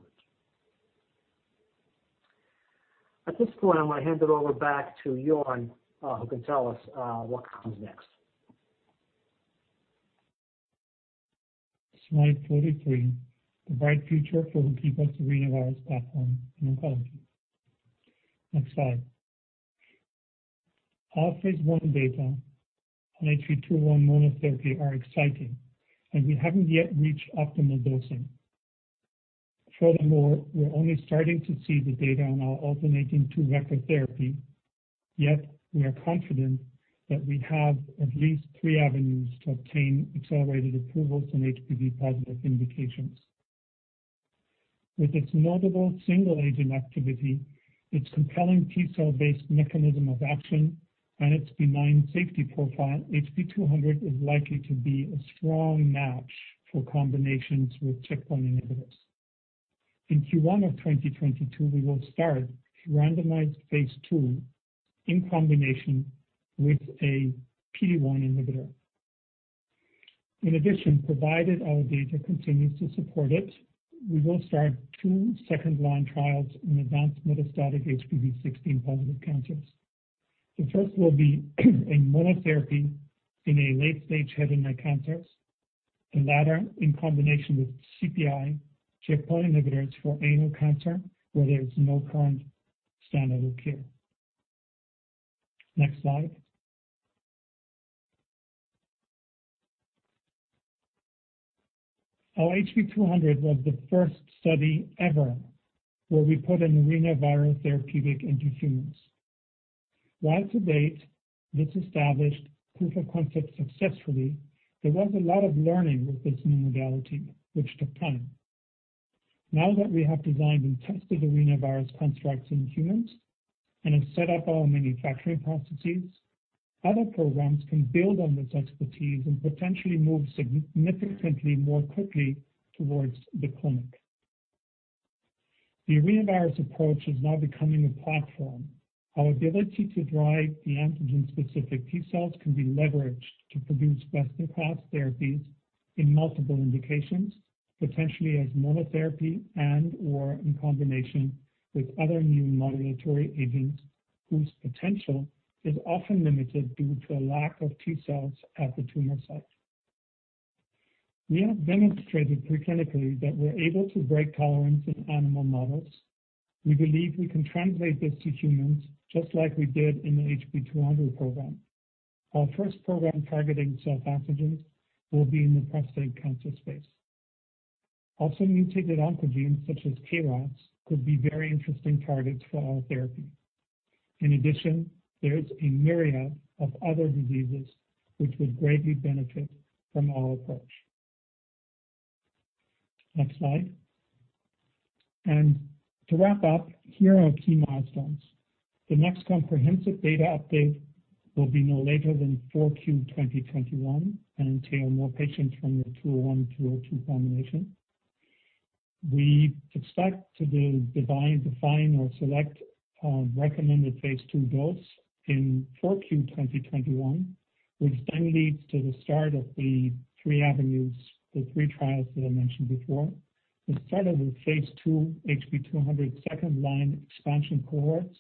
At this point, I'm going to hand it over back to Jörn, who can tell us what comes next. Slide 43, the bright future for the T cell re-education platform in oncology. Next slide. Our phase I data on HB-201 monotherapy are exciting, and we haven't yet reached optimal dosing. Furthermore, we're only starting to see the data on our alternating two-vector therapy, yet we are confident that we have at least three avenues to obtain accelerated approvals in HPV-positive indications. With its notable single-agent activity, its compelling T cell based mechanism of action, and its benign safety profile, HB-200 is likely to be a strong match for combinations with checkpoint inhibitors. In Q1 of 2022, we will start a phase II in combination with a PD-1 inhibitor. In addition, provided our data continues to support it, we will start two second-line trials in advanced metastatic HPV16-positive cancers. The first will be in monotherapy in late-stage head and neck cancers. The latter in combination with CPI, checkpoint inhibitors for anal cancer, where there is no current standard of care. Next slide. Our HB-200 was the first study ever where we put an arenavirus therapeutic into humans. While to date, this established proof of concept successfully, there was a lot of learning with this new modality which took time. Now that we have designed and tested arenavirus constructs in humans and have set up our manufacturing processes, other programs can build on this expertise and potentially move significantly more quickly towards the clinic. The arenavirus approach is now becoming a platform. Our ability to drive the antigen-specific T cells can be leveraged to produce best-in-class therapies in multiple indications, potentially as monotherapy and/or in combination with other immune modulatory agents whose potential is often limited due to a lack of T cells at the tumor site. We have demonstrated pre-clinically that we're able to break tolerance in animal models. We believe we can translate this to humans just like we did in the HB-200 program. Our first program targeting self-antigens will be in the prostate cancer space. Mutated oncogenes such as KRAS could be very interesting targets for our therapy. There's a myriad of other diseases which would greatly benefit from our approach. Next slide. To wrap up, here are our key milestones. The next comprehensive data update will be no later than 4Q 2021 and entail more patients from the HB-201, HB-202 combination. We expect to define or select phase II dose in 4Q 2021, which then leads to the start of the three avenues, the three trials that I mentioned before. The start of phase II HB-200 second-line expansion cohorts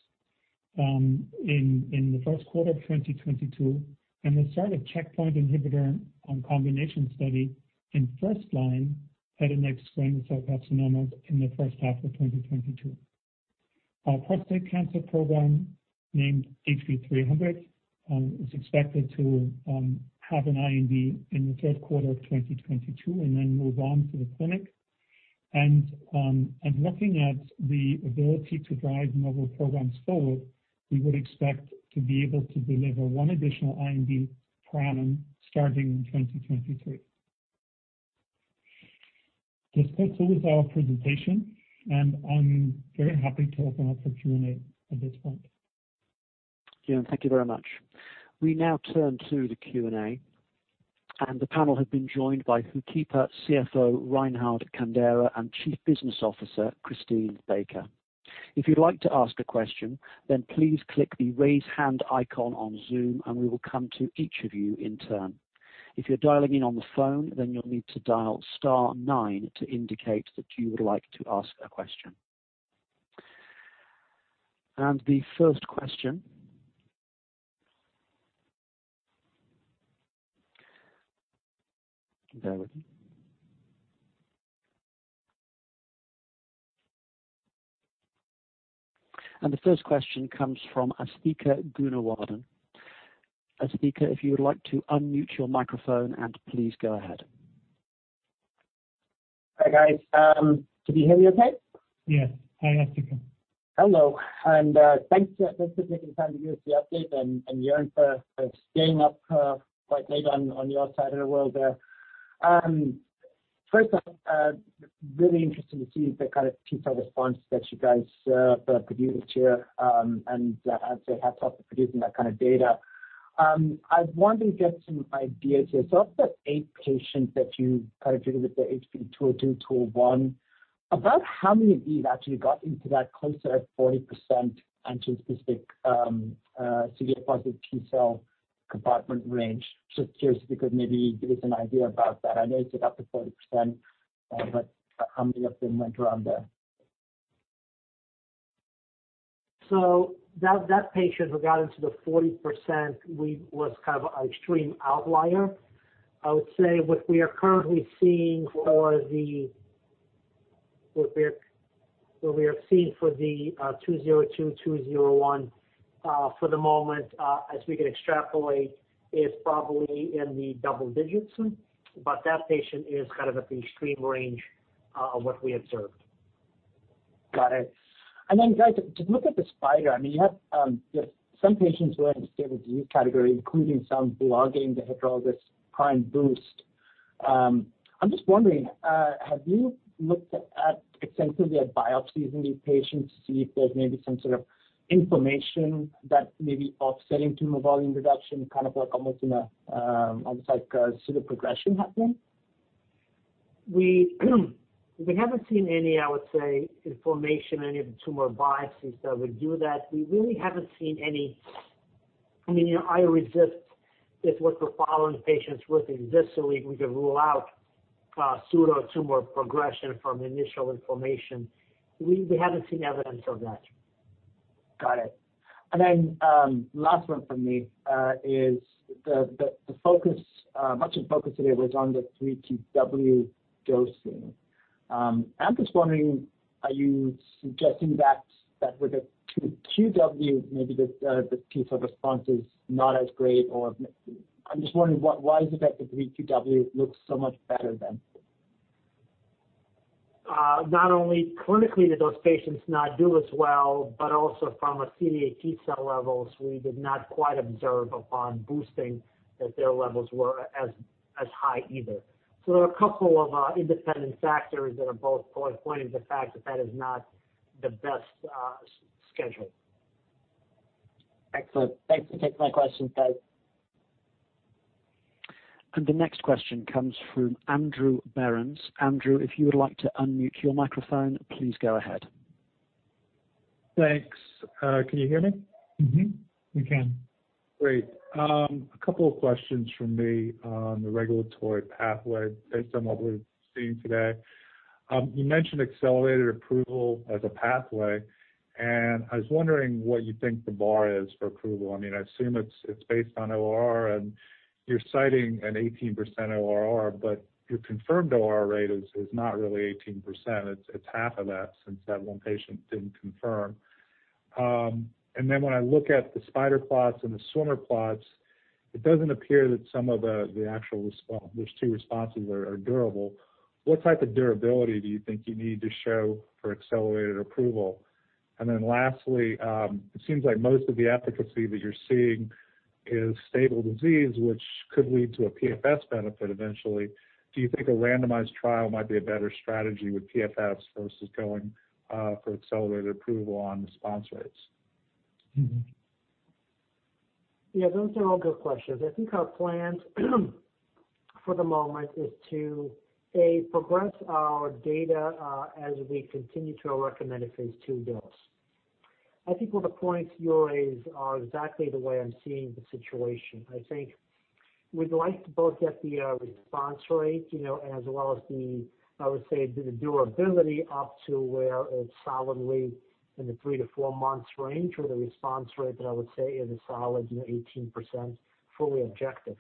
in the first quarter of 2022. The start of checkpoint inhibitor combination study in first line head and neck squamous cell carcinomas in the first half of 2022. Our prostate cancer program, named HB-300, is expected to have an IND in the third quarter of 2022 and then move on to the clinic. Looking at the ability to drive novel programs forward, we would expect to be able to deliver one additional IND per annum starting in 2023. This concludes our presentation, and I'm very happy to open up for Q&A at this point. Thank you very much. We now turn to the Q&A, and the panel has been joined by HOOKIPA CFO Reinhard Kandera and Chief Business Officer Christine Baker. If you'd like to ask a question, then please click the raise hand icon on Zoom and we will come to each of you in turn. If you're dialing in on the phone, then you'll need to dial star nine to indicate that you would like to ask a question. The first question. There we go. The first question comes from Asthika Goonewardene. Asthika, if you would like to unmute your microphone and please go ahead. Hi, guys. Can you hear me okay? Yes. Hi, Asthika. Hello, and thanks for taking the time to do this update and Jörn for staying up quite late on your side of the world there. First up, really interesting to see the kind of T cell response that you guys produced here and as they have produced and that kind of data. I want to get some ideas. Of the eight patients that you kind of treated with the HB-202/HB-201, about how many of these actually got into that close to a 40% antigen-specific CD8 positive T cell compartment range? Just curious because maybe give us an idea about that. I know it's about the 40%, but how many of them went around there? That patient who got into the 40% was kind of an extreme outlier. I would say what we are currently seeing for the HB-202/HB-201 for the moment, as we can extrapolate, is probably in the double digits. That patient is kind of at the extreme range of what we observed. Got it. Guys, just look at the spider and you have some patients who are in the stable disease category, including some who are getting the heterologous prime boost. I'm just wondering, have you looked at extensively at biopsies in these patients to see if there's maybe some sort of inflammation that may be offsetting tumor volume reduction, kind of like almost like a pseudo progression happening? We haven't seen any, I would say, inflammation in any of the tumor biopsies that we do that. We really haven't seen any. I mean, I resist, it's what the following patients worth exists so we can rule out pseudo tumor progression from initial inflammation. We haven't seen evidence of that. Got it. Last one from me is the focus, much of focus today was on the Q3W dosing. I am just wondering, are you suggesting that with the Q2W maybe the T cell response is not as great? I am just wondering why is it that the Q3W looks so much better then? Not only clinically did those patients not do as well, but also from a CD8 T cell levels, we did not quite observe upon boosting that their levels were as high either. There are a couple of independent factors that are both pointing to the fact that is not the best schedule. Excellent. Thanks for taking my questions, guys. The next question comes from Andrew Berens. Andrew, if you would like to unmute your microphone, please go ahead. Thanks. Can you hear me? Mm-hmm. We can. Great. A couple of questions from me on the regulatory pathway based on what we've seen today. You mentioned accelerated approval as a pathway, and I was wondering what you think the bar is for approval. I assume it's based on ORR, and you're citing an 18% ORR, but your confirmed ORR rate is not really 18%. It's half of that since that one patient didn't confirm. When I look at the spider plots and the swimmer plots, it doesn't appear that some of the actual response, those two responses are durable. What type of durability do you think you need to show for accelerated approval? Lastly, it seems like most of the efficacy that you're seeing is stable disease, which could lead to a PFS benefit eventually. Do you think a randomized trial might be a better strategy with PFS versus going for accelerated approval on response rates? Yeah, those are all good questions. I think our plan for the moment is to, A, progress our data as we continue to our phase II dose. I think what the points you raise are exactly the way I'm seeing the situation. I think we'd like to both get the response rate, as well as the, I would say, the durability up to where it's solidly in the three- to four-month range with a response rate that I would say is a solid 18%, fully objective,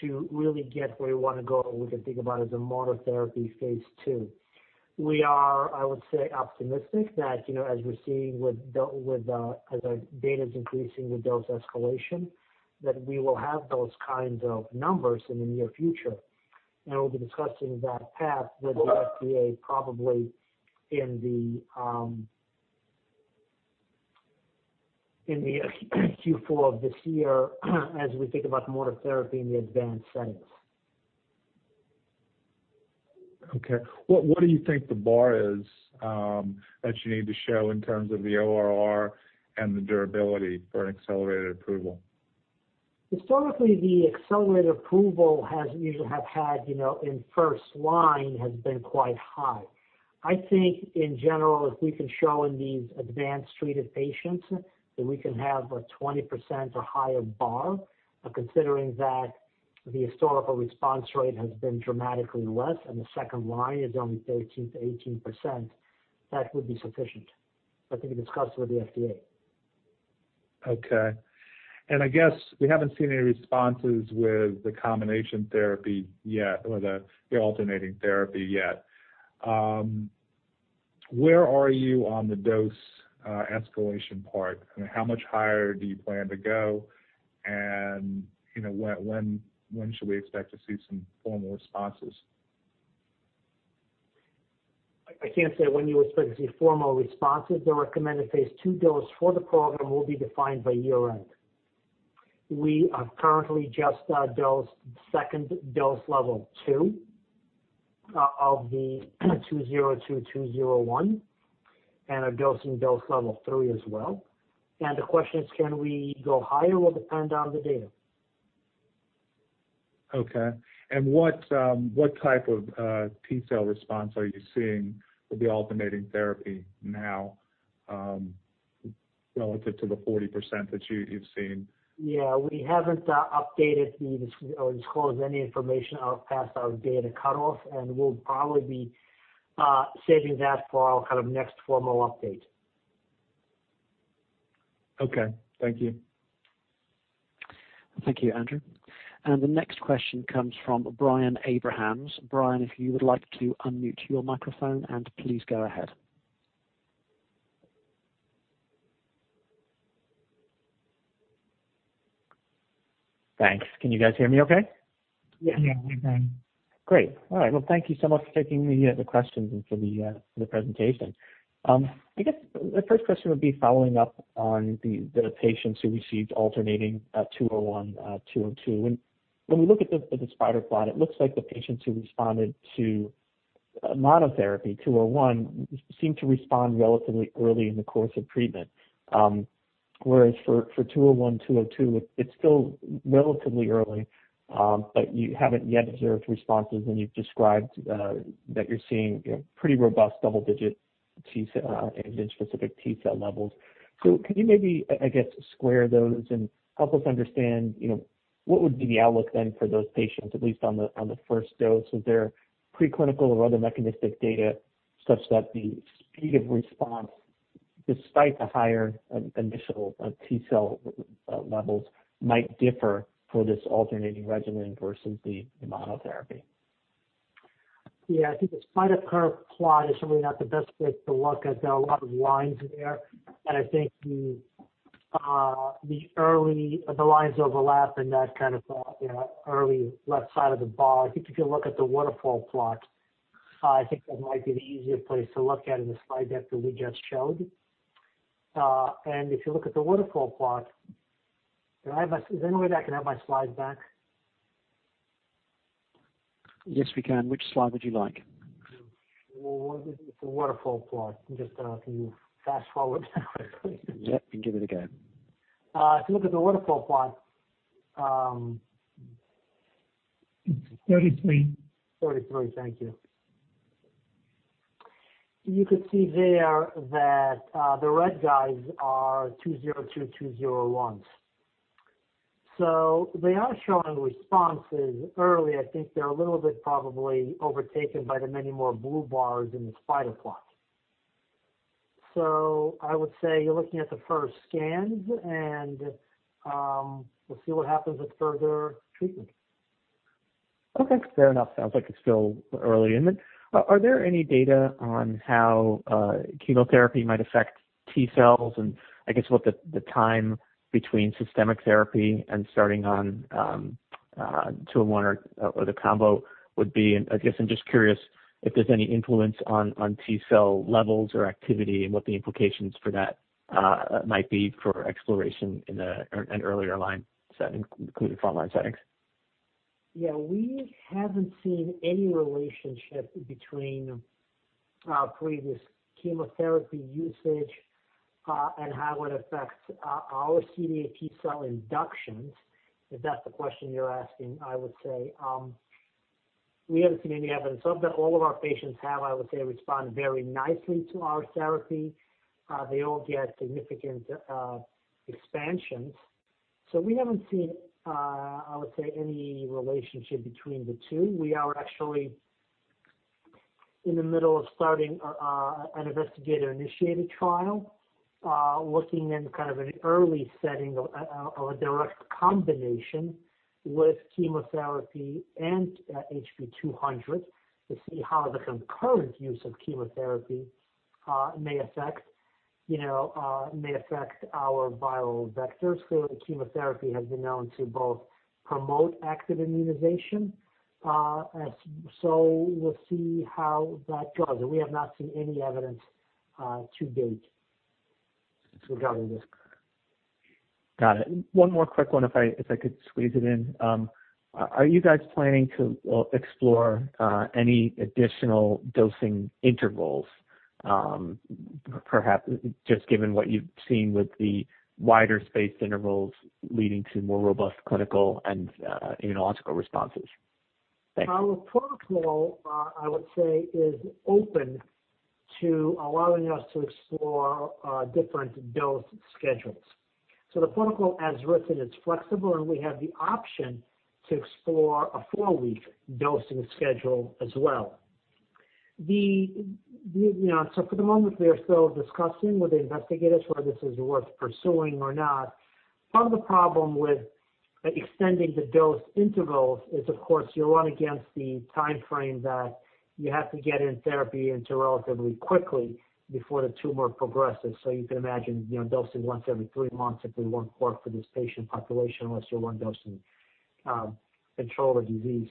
to really get where we want to go. We can think about it as a phase II. we are, I would say, optimistic that, as we're seeing with our data's increasing the dose escalation, that we will have those kinds of numbers in the near future. We'll be discussing that path with the FDA probably in the Q4 of this year as we think about monotherapy in the advanced settings. Okay. What do you think the bar is that you need to show in terms of the ORR and the durability for an accelerated approval? Historically, the accelerated approval has usually have had, in first line, has been quite high. I think, in general, if we can show in these advanced treated patients that we can have a 20% or higher bar, considering that the historical response rate has been dramatically less, and the second line is only 13%-18%, that would be sufficient. That can be discussed with the FDA. Okay. I guess we haven't seen any responses with the combination therapy yet, or the alternating therapy yet. Where are you on the dose escalation part? How much higher do you plan to go? When should we expect to see some formal responses? I can't say when you expect to see formal responses. The phase II dose for the program will be defined by year-end. We have currently just dosed second dose Level 2 of the HB-202/HB-201, and are dosing dose Level 3 as well. The question is, can we go higher? Will depend on the data. Okay. What type of T cell response are you seeing with the alternating therapy now, relative to the 40% that you've seen? Yeah, we haven't updated this holds any information out past our data cut-off, and we'll probably be saving that for our next formal update. Okay. Thank you. Thank you, Andrew. The next question comes from Brian Abrahams. Brian, if you would like to unmute your microphone and please go ahead. Thanks. Can you guys hear me okay? Yeah. Yeah, we can. Great. All right. Well, thank you so much for taking the questions and for the presentation. I guess the first question would be following up on the patients who received alternating HB-201/HB-202. When we look at the swimmer plot, it looks like the patients who responded to monotherapy, HB-201, seemed to respond relatively early in the course of treatment. Whereas for HB-201/HB-202, it is still relatively early, but you have not yet observed responses, and you have described that you are seeing pretty robust double-digit antigen-specific T cell levels. Can you maybe, I guess, square those and help us understand what would be the outlook then for those patients, at least on the first dose? Are there preclinical or other mechanistic data such that the speed of response, despite the higher initial T cell levels, might differ for this alternating regimen versus the monotherapy? Yeah. I think the spider curve plot is really not the best place to look at. There are a lot of lines there. I think the lines overlap in that early left side of the bar. I think if you look at the waterfall plot, I think that might be an easier place to look at in the slide deck that we just showed. Is there any way I can have my slides back? Yes, we can. Which slide would you like? Well, the waterfall plot. Can you fast-forward? Yeah. Give it a go. If you look at the waterfall plot. 33. Thank you. You can see there that the red guys are HB-202/HB-201s. They are showing responses early. I think they're a little bit probably overtaken by the many more blue bars in the spider plot. I would say you're looking at the first scans, and we'll see what happens with further treatment. Okay, fair enough. Sounds like it's still early in it. Are there any data on how chemotherapy might affect T cells? I guess what the time between systemic therapy and starting on HB-201 or the combo would be? I guess I'm just curious if there's any influence on T cell levels or activity, and what the implications for that might be for exploration in an earlier line setting, including front-line setting. We haven't seen any relationship between previous chemotherapy usage, and how it affects our CD8 T cell inductions. If that's the question you're asking, I would say, we haven't seen any evidence of that. All of our patients have, I would say, respond very nicely to our therapy. They all get significant expansions. We haven't seen, I would say, any relationship between the two. We are actually in the middle of starting an investigator-initiated trial, looking at kind of an early setting of a direct combination with chemotherapy and HB-200 to see how the concurrent use of chemotherapy may affect our viral vectors. Chemotherapy has been known to both promote active immunization, so we'll see how that goes. We have not seen any evidence to date regarding this. Got it. One more quick one if I could squeeze it in. Are you guys planning to explore any additional dosing intervals, perhaps just given what you've seen with the wider space intervals leading to more robust clinical and immunological responses? Thanks. Our protocol, I would say, is open to allowing us to explore different dose schedules. The protocol as written is flexible, and we have the option to explore a four-week dosing schedule as well. For the moment, we are still discussing with the investigators whether this is worth pursuing or not. Part of the problem with extending the dose intervals is, of course, you're running against the timeframe that you have to get in therapy into relatively quickly before the tumor progresses. You can imagine dosing once every three months if it won't work for this patient population unless you're one dosing control the disease.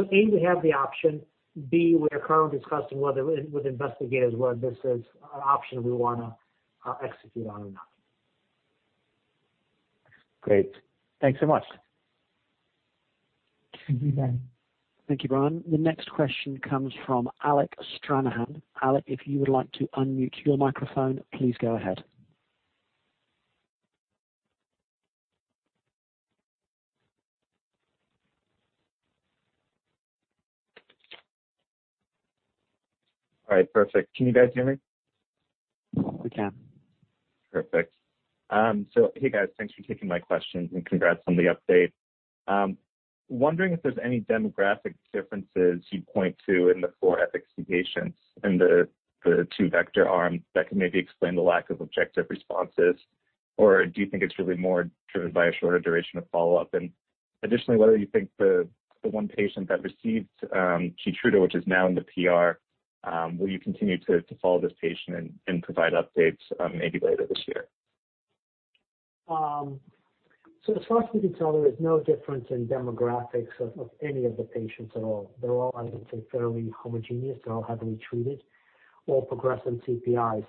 A, we have the option. B, we are currently discussing with investigators whether this is an option we want to execute on or not. Great. Thanks so much. Thank you, Brian. Thank you, Brian. The next question comes from Alec Stranahan. Alec, if you would like to unmute your microphone, please go ahead. All right. Perfect. Can you guys hear me? We can. Perfect. Hey, guys. Thanks for taking my questions, congrats on the update. Wondering if there's any demographic differences you'd point to in the 4FX patients in the two-vector arms that can maybe explain the lack of objective responses, or do you think it's really more driven by a shorter duration of follow-up? Additionally, whether you think the one patient that received KEYTRUDA, which is now in the PR, will you continue to follow this patient and provide updates maybe later this year? As far as we can tell, there's no difference in demographics of any of the patients at all. They're all, I would say, fairly homogeneous. They all have been treated, all progressive CPIs.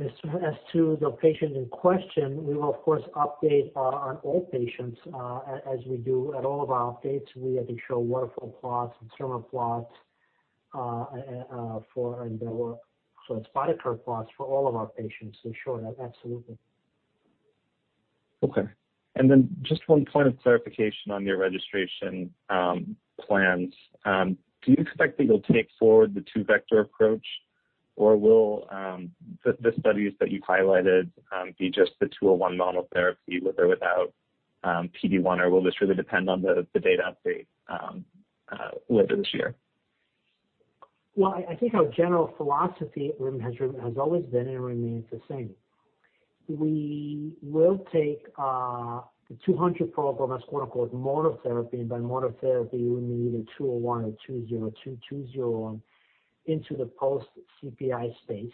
As to the patient in question, we will of course update on all patients as we do at all of our updates. We either show waterfall plots and swimmer plots for, and there were spider plots for all of our patients to show that, absolutely. Okay. Just one point of clarification on your registration plans. Do you expect that you'll take forward the two-vector approach, or will the studies that you've highlighted be just the HB-201 monotherapy with or without PD-1? Will this really depend on the data update later this year? Well, I think our general philosophy at HOOKIPA has always been and remains the same. We will take the HB-200-forward as monotherapy, and by monotherapy we mean either HB-201 or HB-202/HB-201 into the post CPI space.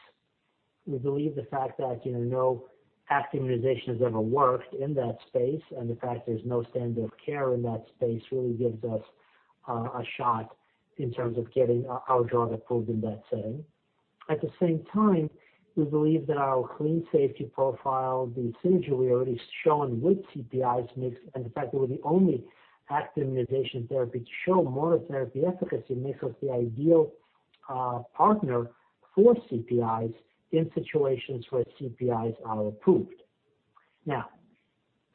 We believe the fact that no active immunization has ever worked in that space, and the fact there's no standard of care in that space really gives us a shot in terms of getting our drug approved in that setting. At the same time, we believe that our clean safety profile, the synergy already shown with CPIs, and the fact that we're the only active immunization therapy to show monotherapy efficacy makes us the ideal partner for CPIs in situations where CPIs are approved. Now,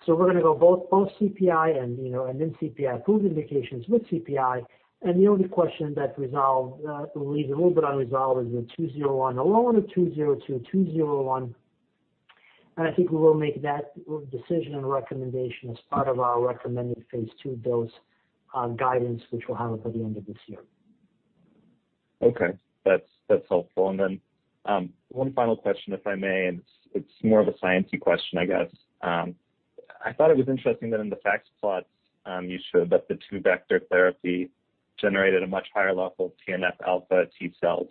we're going to go both CPI and then CPI-approved indications with CPI. The only question that we need to hold on resolve is the HB-201 alone or HB-202/HB-201. I think we will make that decision and recommendation as part of our phase II dose guidance, which we'll have by the end of this year. Okay. That's helpful. One final question, if I may. It's more of a science-y question, I guess. I thought it was interesting that in the FACS plots, you showed that the two-vector therapy generated a much higher level of TNF alpha T cells.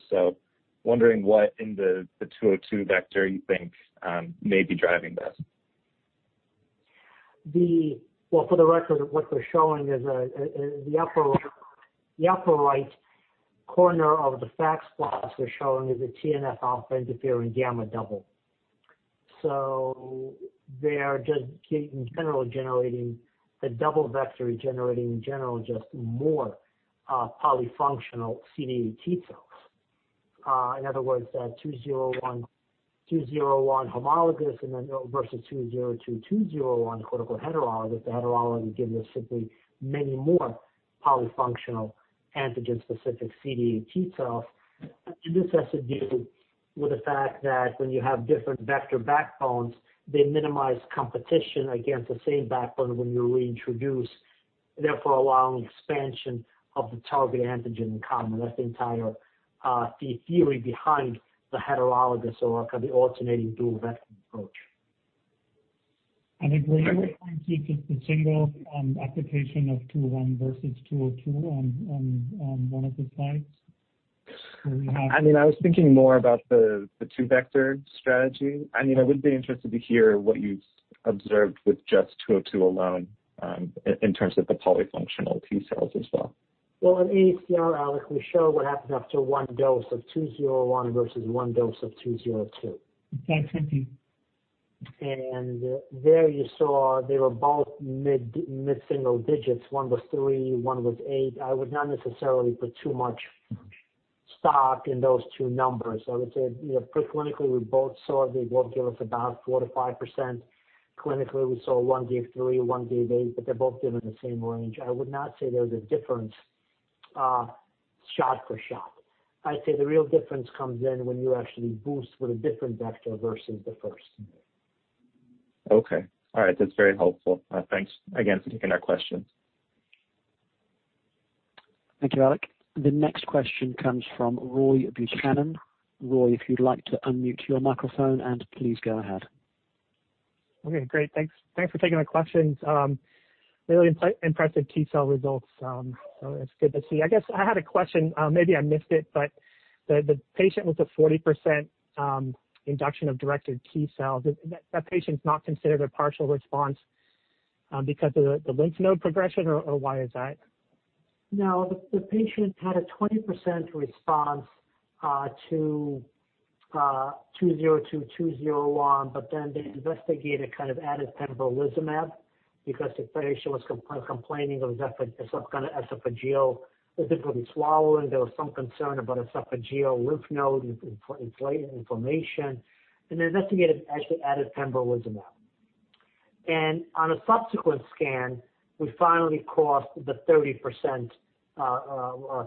Wondering what in the HB-202 vector you think may be driving this? Well, for the record, what we're showing is in the upper right corner of the FACS plots, a TNF alpha interferon gamma double. The double vector is generating in general just more polyfunctional CD8 T cells. In other words, that HB-201 homologous versus HB-202/HB-201, critical heterologous. The heterologous gives us simply many more polyfunctional antigen-specific CD8 T cells. This has to do with the fact that when you have different vector backbones, they minimize competition against the same backbone when you reintroduce, therefore allowing expansion of the target antigen in common. That's the entire theory behind the heterologous or the alternating dual vector approach. I think what I was pointing to is the single application of HB-201 versus HB-202 on one of the slides. I was thinking more about the two-vector strategy. I would be interested to hear what you've observed with just HB-202 alone, in terms of the polyfunctional T cells as well. Well, in AACR, Alec, we show what happened after one dose of HB-201 versus one dose of HB-202. Okay. Thank you. There you saw they were both mid-single digits. One was three, one was eight. I would not necessarily put too much stock in those two numbers. I would say pre-clinically, we both saw they both gave us about 4%-5%. Clinically, we saw one gave three, one gave eight, but they both gave in the same range. I would not say there's a difference shot for shot. I'd say the real difference comes in when you actually boost with a different vector versus the first. Okay. All right. That's very helpful. Thanks again for taking our question. Thank you, Alec. The next question comes from Roy Buchanan. Roy, if you'd like to unmute your microphone and please go ahead. Okay, great. Thanks for taking my questions. Really impressive T cell results. It's good to see. I guess I had a question, maybe I missed it, but the patient with the 40% induction of directed T cells, that patient's not considered a partial response because of the lymph node progression or why is that? No, the patient had a 20% response to HB-202/HB-201, they investigated added pembrolizumab because the patient was complaining of some kind of esophageal difficulty swallowing. There was some concern about esophageal lymph node inflammation, they investigated, actually added pembrolizumab. On a subsequent scan, we finally crossed the 30%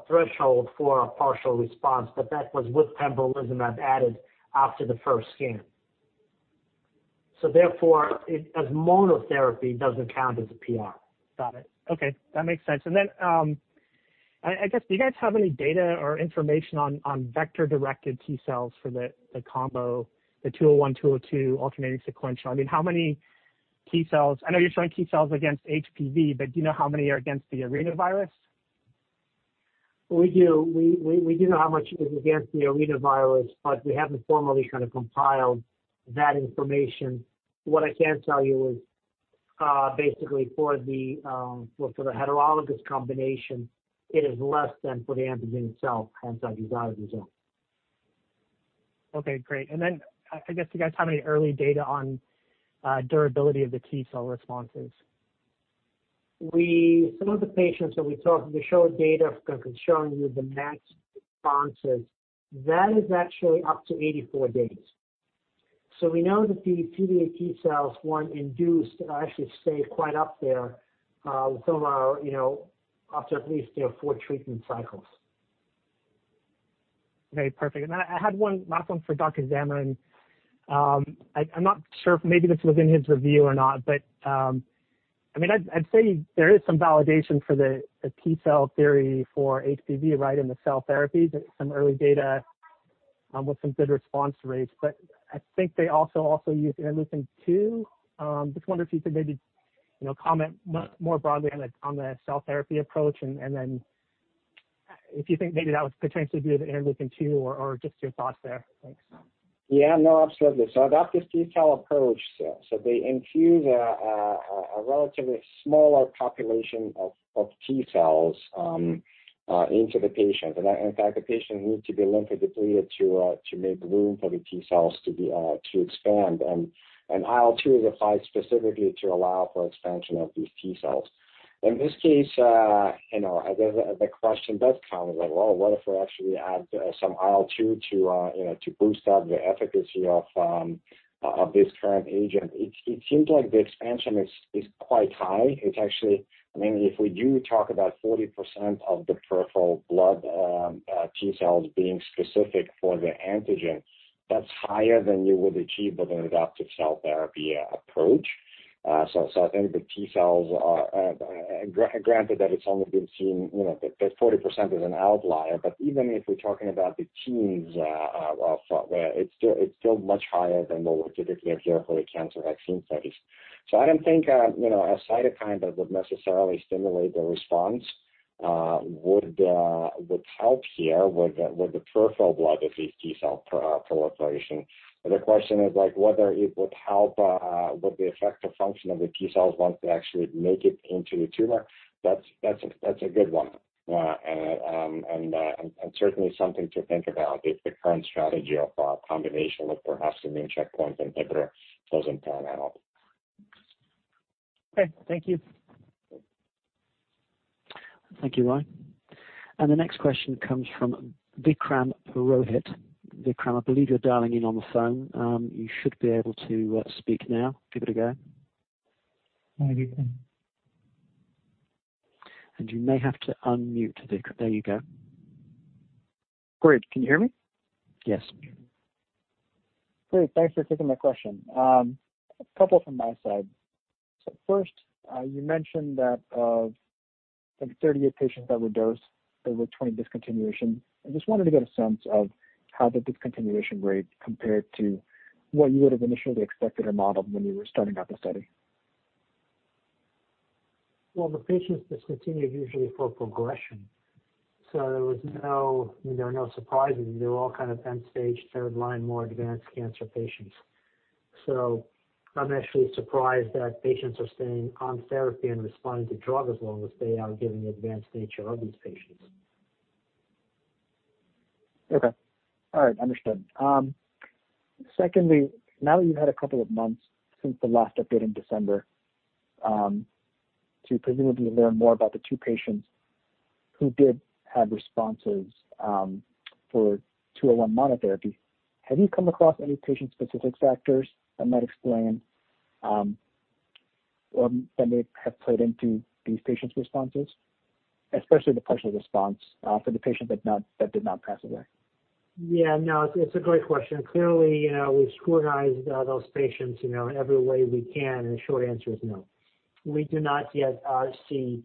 threshold for a partial response, that was with pembrolizumab added after the first scan. As monotherapy, it doesn't count as a PR. Got it. Okay. That makes sense. I guess, do you guys have any data or information on vector-directed T cells for the combo, the HB-201/HB-202 alternating sequential? I mean, how many T cells? I know you're trying T cells against HPV, but do you know how many are against the arenavirus? We do know how much is against the arenavirus, but we haven't formally compiled that information. What I can tell you is basically for the heterologous combination, it is less than for the antigen itself as our desired result. Okay, great. I guess you guys have any early data on durability of the T cell responses? Some of the patients that we talked, we showed data showing you the max responses. That is actually up to 84 days. We know that the CD8 T cells, once induced, actually stay quite up there with some of our, up to at least four treatment cycles. Okay, perfect. I had one last one for Dr. Zamarin. I'm not sure if maybe this was in his review or not, but I'd say there is some validation for the T cell theory for HPV, right? In the cell therapy. There's some early data with some good response rates. I think they also used interleukin-2. Just wonder if you could maybe comment more broadly on the cell therapy approach. If you think maybe that was potentially due to the antibody too, or just your thoughts there. Thanks. Yeah, no, absolutely. Adoptive T cell approach. They infuse a relatively smaller population of T cells into the patient. In fact, the patient needs to be lymphodepleted to make room for the T cells to expand, and IL-2 is applied specifically to allow for expansion of these T cells. In this case, I guess the question does come, Well, what if we actually add some IL-2 to boost up the efficacy of this current agent? It seems like the expansion is quite high. It's actually, if we do talk about 40% of the peripheral blood T cells being specific for the antigen, that's higher than you would achieve with an adoptive cell therapy approach. I think the T cells, granted that it's only been seen, that 40% is an outlier, but even if we're talking about the teens, it's still much higher than what we typically observe for the cancer vaccine studies. I don't think a cytokine that would necessarily stimulate the response would help here with the peripheral blood, at least T cell proliferation. The question is whether it would help with the effect or function of the T cells once they actually make it into a tumor. That's a good one. Certainly something to think about if the current strategy of combination with perhaps immune checkpoint inhibitor doesn't pan out. Okay. Thank you. Thank you, Roy Buchanan. The next question comes from Vikram Purohit. Vikram, I believe you're dialing in on the phone. You should be able to speak now. Give it a go. Hi, Vikram. You may have to unmute, Vikram. There you go. Great. Can you hear me? Yes. Great. Thanks for taking my question. A couple from my side. First, you mentioned that of the 38 patients that were dosed, there were 20 discontinuation. I just wanted to get a sense of how the discontinuation rate compared to what you would have initially expected or modeled when you were starting up the study. Well, the patients discontinued usually for progression. There are no surprises. They're all kind of end-stage, third line, more advanced cancer patients. I'm actually surprised that patients are staying on therapy and responding to drug as long as they are, given the advanced nature of these patients. Okay. All right. Understood. Now that you've had a couple of months since the last update in December, to presumably learn more about the two patients who did have responses for HB-201 monotherapy, have you come across any patient-specific factors that might explain or that may have played into these patients' responses? Especially the partial response for the patient that did not pass away. Yeah, no, it's a great question. Clearly, we've scrutinized those patients in every way we can. The short answer is no. We do not yet see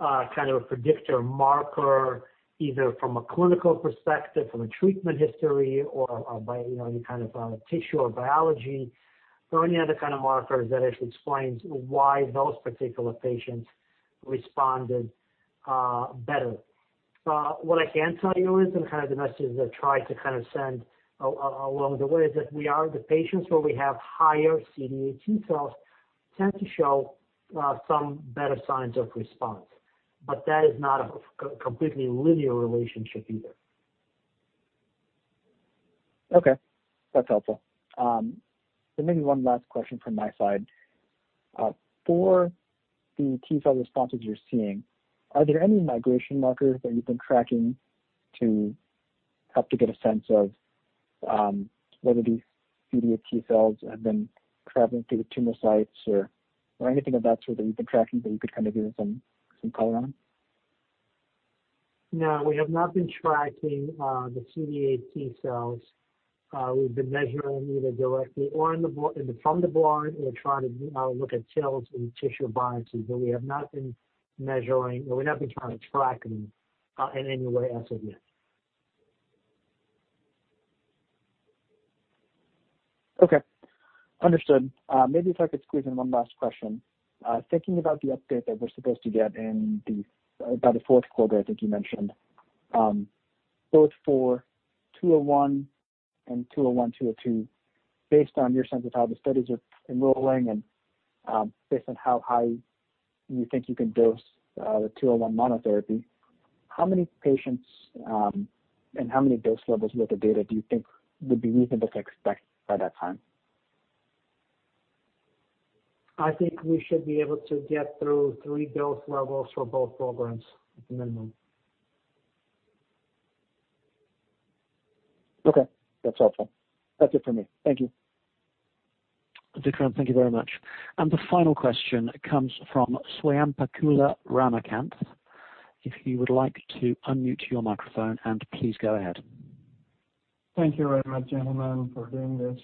a predictor marker, either from a clinical perspective, from a treatment history or by any kind of tissue or biology or any other kind of marker that actually explains why those particular patients responded better. What I can tell you is, the message that I tried to send along the way is that the patients where we have higher CD8 T cells tend to show some better signs of response. That is not a completely linear relationship either. Okay. That's helpful. Maybe one last question from my side. For the T cell responses you're seeing, are there any migration markers that you've been tracking to help to get a sense of whether these CD8 T cells have been traveling through the tumor sites or anything of that sort that you've been tracking that you could do some color on? No, we have not been tracking the CD8 T cells. We've been measuring either directly from the blood and trying to look at TILs in the tissue biopsies, but we have not been measuring, or we're not been trying to track them in any way, answer is no. Okay. Understood. Maybe if I could squeeze in one last question. Thinking about the update that we're supposed to get in about the fourth quarter, I think you mentioned, both for HB-201 and HB-201/HB-202. Based on your sense of how the studies are enrolling and based on how high you think you can dose the HB-201 monotherapy, how many patients and how many dose levels worth of data do you think would be reasonable to expect by that time? I think we should be able to get through three dose levels for both programs at minimum. Okay. That's helpful. That's it from me. Thank you. Vikram, thank you very much. The final question comes from Swayampakula Ramakanth. If you would like to unmute your microphone, and please go ahead. Thank you very much, gentlemen, for doing this.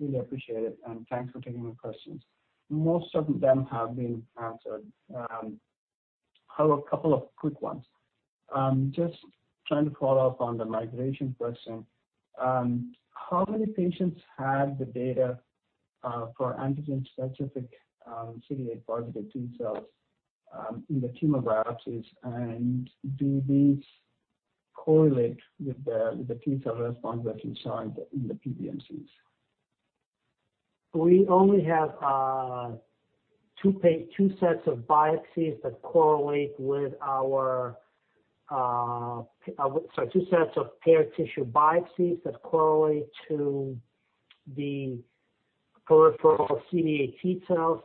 Really appreciate it, and thanks for taking my questions. Most of them have been answered. I have a couple of quick ones. I'm just trying to follow up on the migration question. How many patients had the data? For antigen-specific CD8 positive T cells in the tumor biopsies, and do these correlate with the T cell response that we saw in the PBMCs? We only have two sets of paired tissue biopsies that correlate to the peripheral CD8 T cells.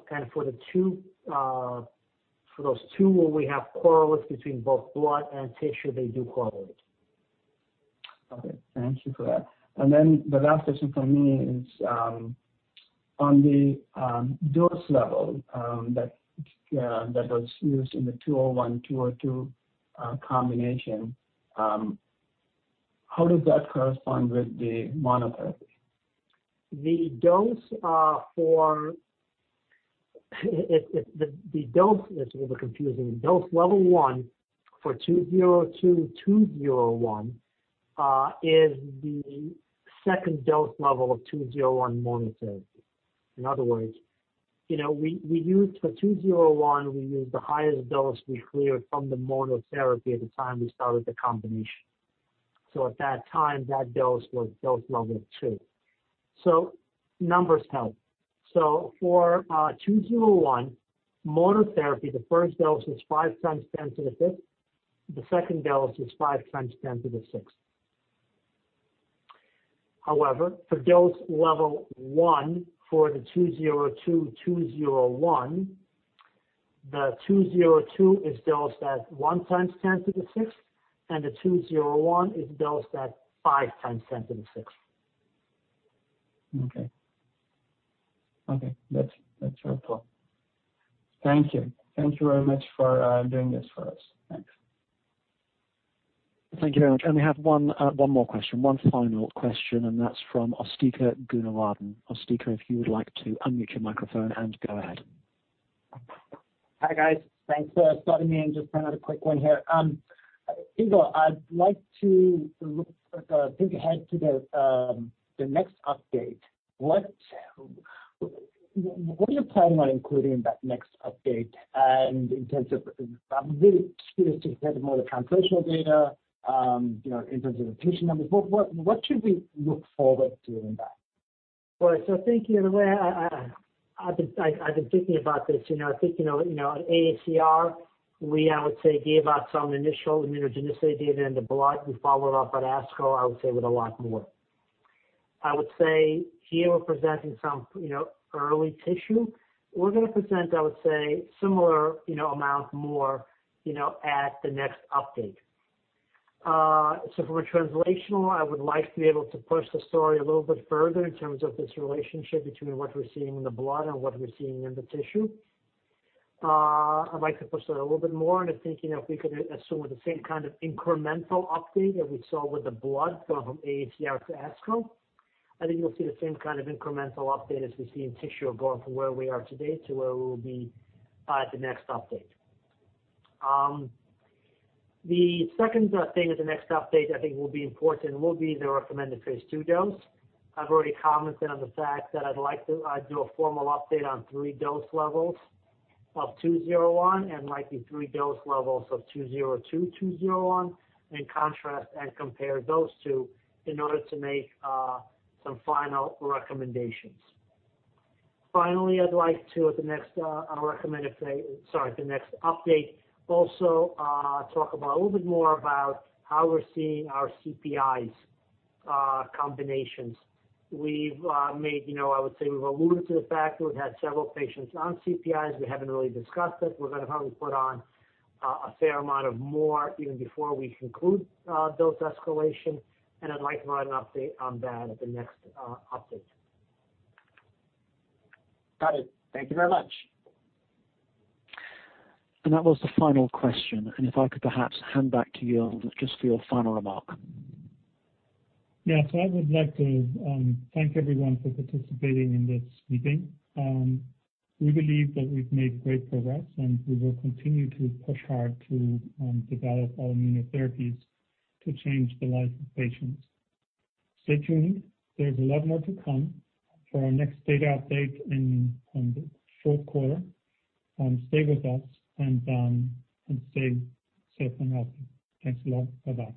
For those two where we have correlates between both blood and tissue, they do correlate. Okay. Thank you for that. The last question from me is on the dose level that was used in the HB-201/HB-202 combination, how does that correspond with the monotherapy? The dose is a little confusing. Dose Level 1 for HB-202/HB-201 is the second dose level of HB-201 monotherapy. In other words, for HB-201, we used the highest dose we cleared from the monotherapy at the time we started the combination. At that time, that dose was dose Level 2. Numbers help. For HB-201 monotherapy, the first dose was 5x10 to the fifth. The second dose was 5x10 to the sixth. However, for dose Level 1, for the HB-202/HB-201, the HB-202 is dosed at 1x10 to the sixth, and the HB-201 is dosed at 5x10 to the sixth. Okay. That's helpful. Thank you. Thank you very much for doing this for us. Thanks. Thank you very much. We have one more question, one final question. That's from Asthika Goonewardene. Asthika, if you would like to unmute your microphone and go ahead. Hi, guys. Thanks for letting me in. Just another quick one here. Igor, I'd like to look ahead to the next update. What are you planning on including in that next update? In terms of, I'm really curious to compare some of the translational data, in terms of the tissue numbers. What should we look forward to in that? Thank you. In a way, I've been thinking about this. I think, at AACR, we, I would say, gave out some initial immunogenicity data in the blood. We followed up on ASCO, I would say, with a lot more. I would say here we're presenting some early tissue. We're going to present, I would say, similar amount more at the next update. For translational, I would like to be able to push the story a little bit further in terms of this relationship between what we're seeing in the blood and what we're seeing in the tissue. I'd like to push that a little bit more. I think if we could assume the same kind of incremental update that we saw with the blood, going from AACR to ASCO, I think you'll see the same kind of incremental update as we see in tissue of going from where we are today to where we'll be by the next update. The second thing at the next update I think will be important will be the phase II dose. I've already commented on the fact that I'd like to do a formal update on three dose levels of HB-201 and likely three dose levels of HB-202/HB-201 and contrast and compare those two in order to make some final recommendations. I'd like to at the next update also talk a little bit more about how we're seeing our CPIs combinations. I would say we've alluded to the fact we've had several patients on CPIs. We haven't really discussed it. We're going to put on a fair amount of more before we conclude dose escalation, and I'd like to have an update on that at the next update. Got it. Thank you very much. That was the final question. If I could perhaps hand back to you, Igor, just for your final remark. Yeah. I would like to thank everyone for participating in this meeting. We believe that we've made great progress, and we will continue to push hard to develop our immunotherapies to change the lives of patients. Stay tuned. There's a lot more to come for our next data update in the fourth quarter. Stay with us, and stay safe and healthy. Thanks a lot. Bye-bye.